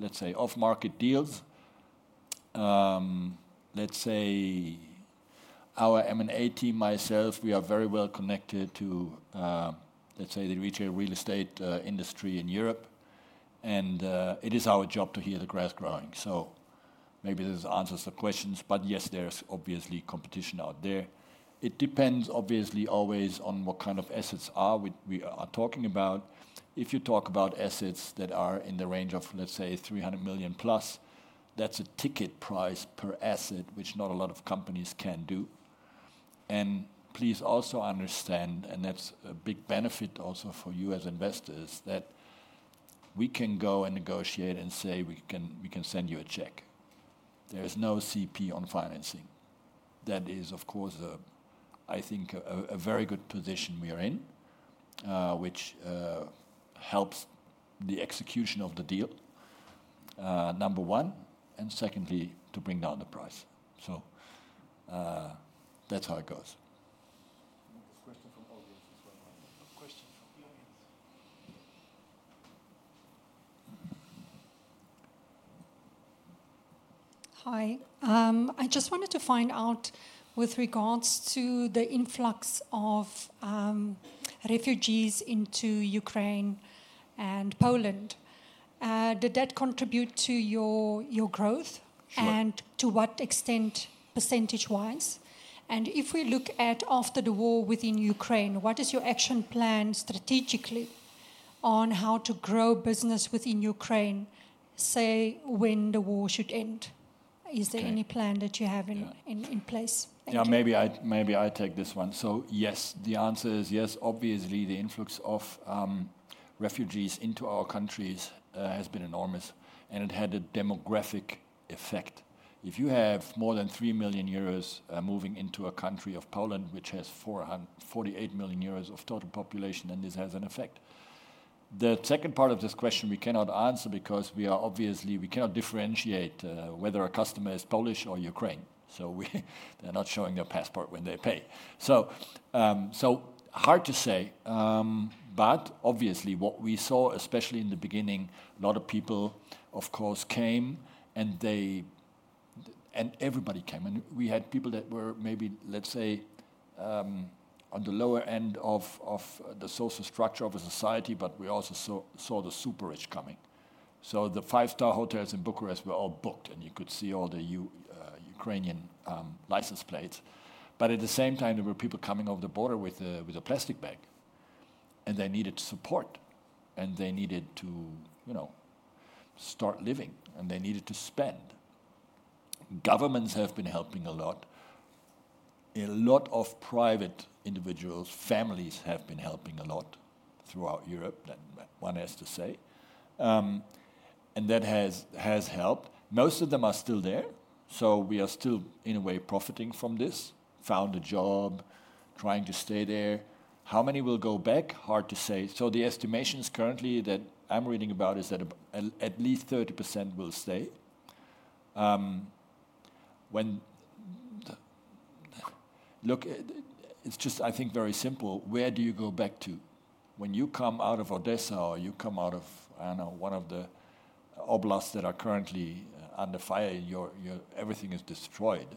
off-market deals. Let's say, our M&A team, myself, we are very well connected to, let's say, the retail real estate industry in Europe, and it is our job to hear the grass growing. So maybe this answers the questions, but yes, there's obviously competition out there. It depends obviously, always on what kind of assets we are talking about. If you talk about assets that are in the range of, let's say, 300 million plus, that's a ticket price per asset, which not a lot of companies can do. And please also understand, and that's a big benefit also for you as investors, that we can go and negotiate and say, "We can send you a check." There is no CP on financing. That is, of course, a very good position we are in, which helps the execution of the deal, number one, and secondly, to bring down the price. So, that's how it goes. There's a question from the audience as well. Hi. I just wanted to find out, with regards to the influx of refugees into Ukraine and Poland, did that contribute to your growth? Sure. And to what extent, percentage-wise? And if we look at after the war within Ukraine, what is your action plan strategically on how to grow business within Ukraine, say, when the war should end? Okay. Is there any plan that you have in Yeah... in place? Thank you. Yeah, maybe I take this one. So yes, the answer is yes. Obviously, the influx of refugees into our countries has been enormous, and it had a demographic effect. If you have more than three million euros moving into a country of Poland, which has forty-eight million euros of total population, then this has an effect. The second part of this question we cannot answer because we obviously cannot differentiate whether a customer is Polish or Ukraine. So they're not showing their passport when they pay. So, so hard to say. But obviously, what we saw, especially in the beginning, a lot of people, of course, came, and they... Everybody came, and we had people that were maybe, let's say, on the lower end of the social structure of a society, but we also saw the super-rich coming, so the five-star hotels in Bucharest were all booked, and you could see all the Ukrainian license plates, but at the same time, there were people coming over the border with a plastic bag, and they needed support, and they needed to, you know, start living, and they needed to spend. Governments have been helping a lot. A lot of private individuals, families, have been helping a lot throughout Europe, that one has to say, and that has helped. Most of them are still there, so we are still, in a way, profiting from this. Found a job, trying to stay there. How many will go back? Hard to say. So the estimations currently that I'm reading about is that at least 30% will stay. Look, it's just, I think, very simple. Where do you go back to? When you come out of Odesa or you come out of, I don't know, one of the oblasts that are currently under fire, your everything is destroyed.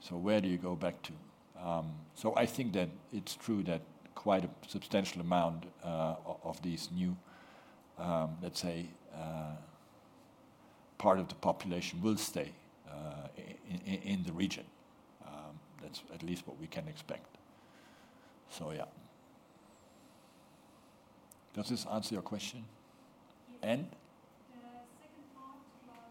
So where do you go back to? So I think that it's true that quite a substantial amount of these new, let's say, part of the population will stay in the region. That's at least what we can expect. So yeah. Does this answer your question? Yes. And? The second part was,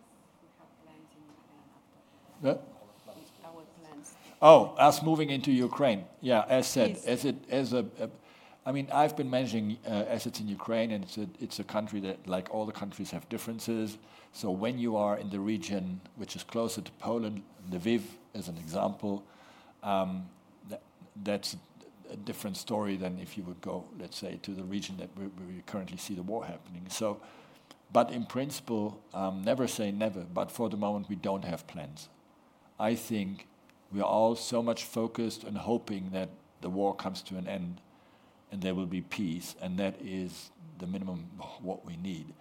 we have plans in Ukraine after- Uh? Our plans. Our plans. Oh, us moving into Ukraine. Yeah, as said- Yes... I mean, I've been managing assets in Ukraine, and it's a country that, like all the countries, have differences. So when you are in the region, which is closer to Poland, Lviv, as an example, that's a different story than if you would go, let's say, to the region that we're currently see the war happening. So, but in principle, never say never, but for the moment, we don't have plans. I think we are all so much focused and hoping that the war comes to an end, and there will be peace, and that is the minimum what we need,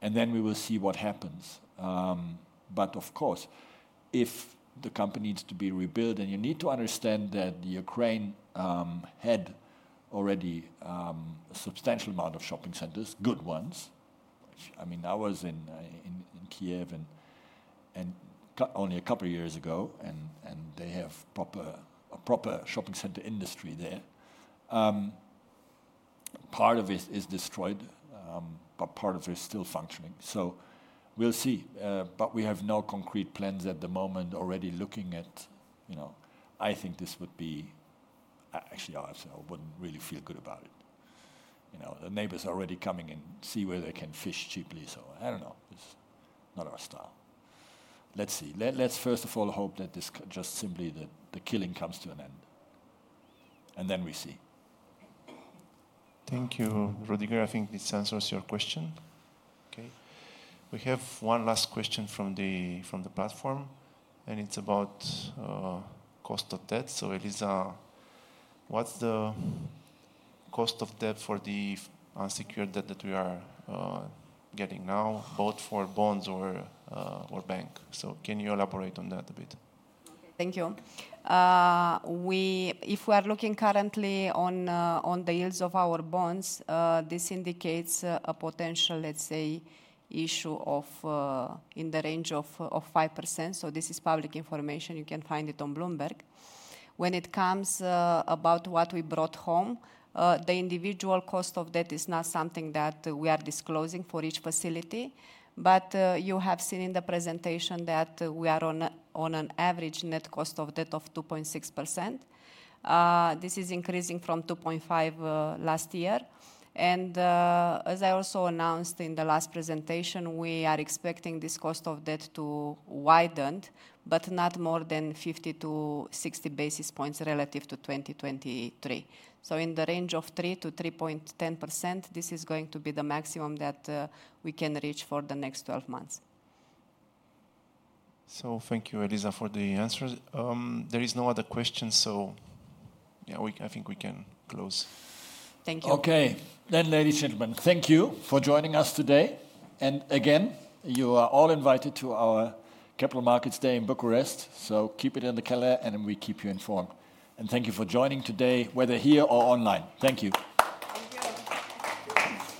and then we will see what happens. But of course, if the company needs to be rebuilt, and you need to understand that Ukraine had-... Already a substantial amount of shopping centers, good ones. Which, I mean, I was in Kyiv only a couple of years ago, and they have a proper shopping center industry there. Part of it is destroyed, but part of it is still functioning. So we'll see. But we have no concrete plans at the moment, already looking at, you know. I think this would be actually I wouldn't really feel good about it. You know, the neighbors are already coming and see where they can fish cheaply, so I don't know. It's not our style. Let's see. Let's first of all hope that this just simply the killing comes to an end, and then we see. Thank you, Rüdiger. I think this answers your question. Okay, we have one last question from the platform, and it's about cost of debt. So, Eliza, what's the cost of debt for the unsecured debt that we are getting now, both for bonds or bank? So can you elaborate on that a bit? Thank you. If we are looking currently on the yields of our bonds, this indicates a potential, let's say, issue in the range of 5%. So this is public information. You can find it on Bloomberg. When it comes about what we brought home, the individual cost of debt is not something that we are disclosing for each facility, but you have seen in the presentation that we are on an average net cost of debt of 2.6%. This is increasing from 2.5% last year, and as I also announced in the last presentation, we are expecting this cost of debt to widened, but not more than fifty to sixty basis points relative to twenty twenty-three. So in the range of 3%-3.10%, this is going to be the maximum that we can reach for the next 12 months. So thank you, Eliza, for the answers. There is no other question, so yeah, I think we can close. Thank you. Okay. Then, ladies and gentlemen, thank you for joining us today, and again, you are all invited to our Capital Markets Day in Bucharest, so keep it in the calendar, and we keep you informed. And thank you for joining today, whether here or online. Thank you. Thank you.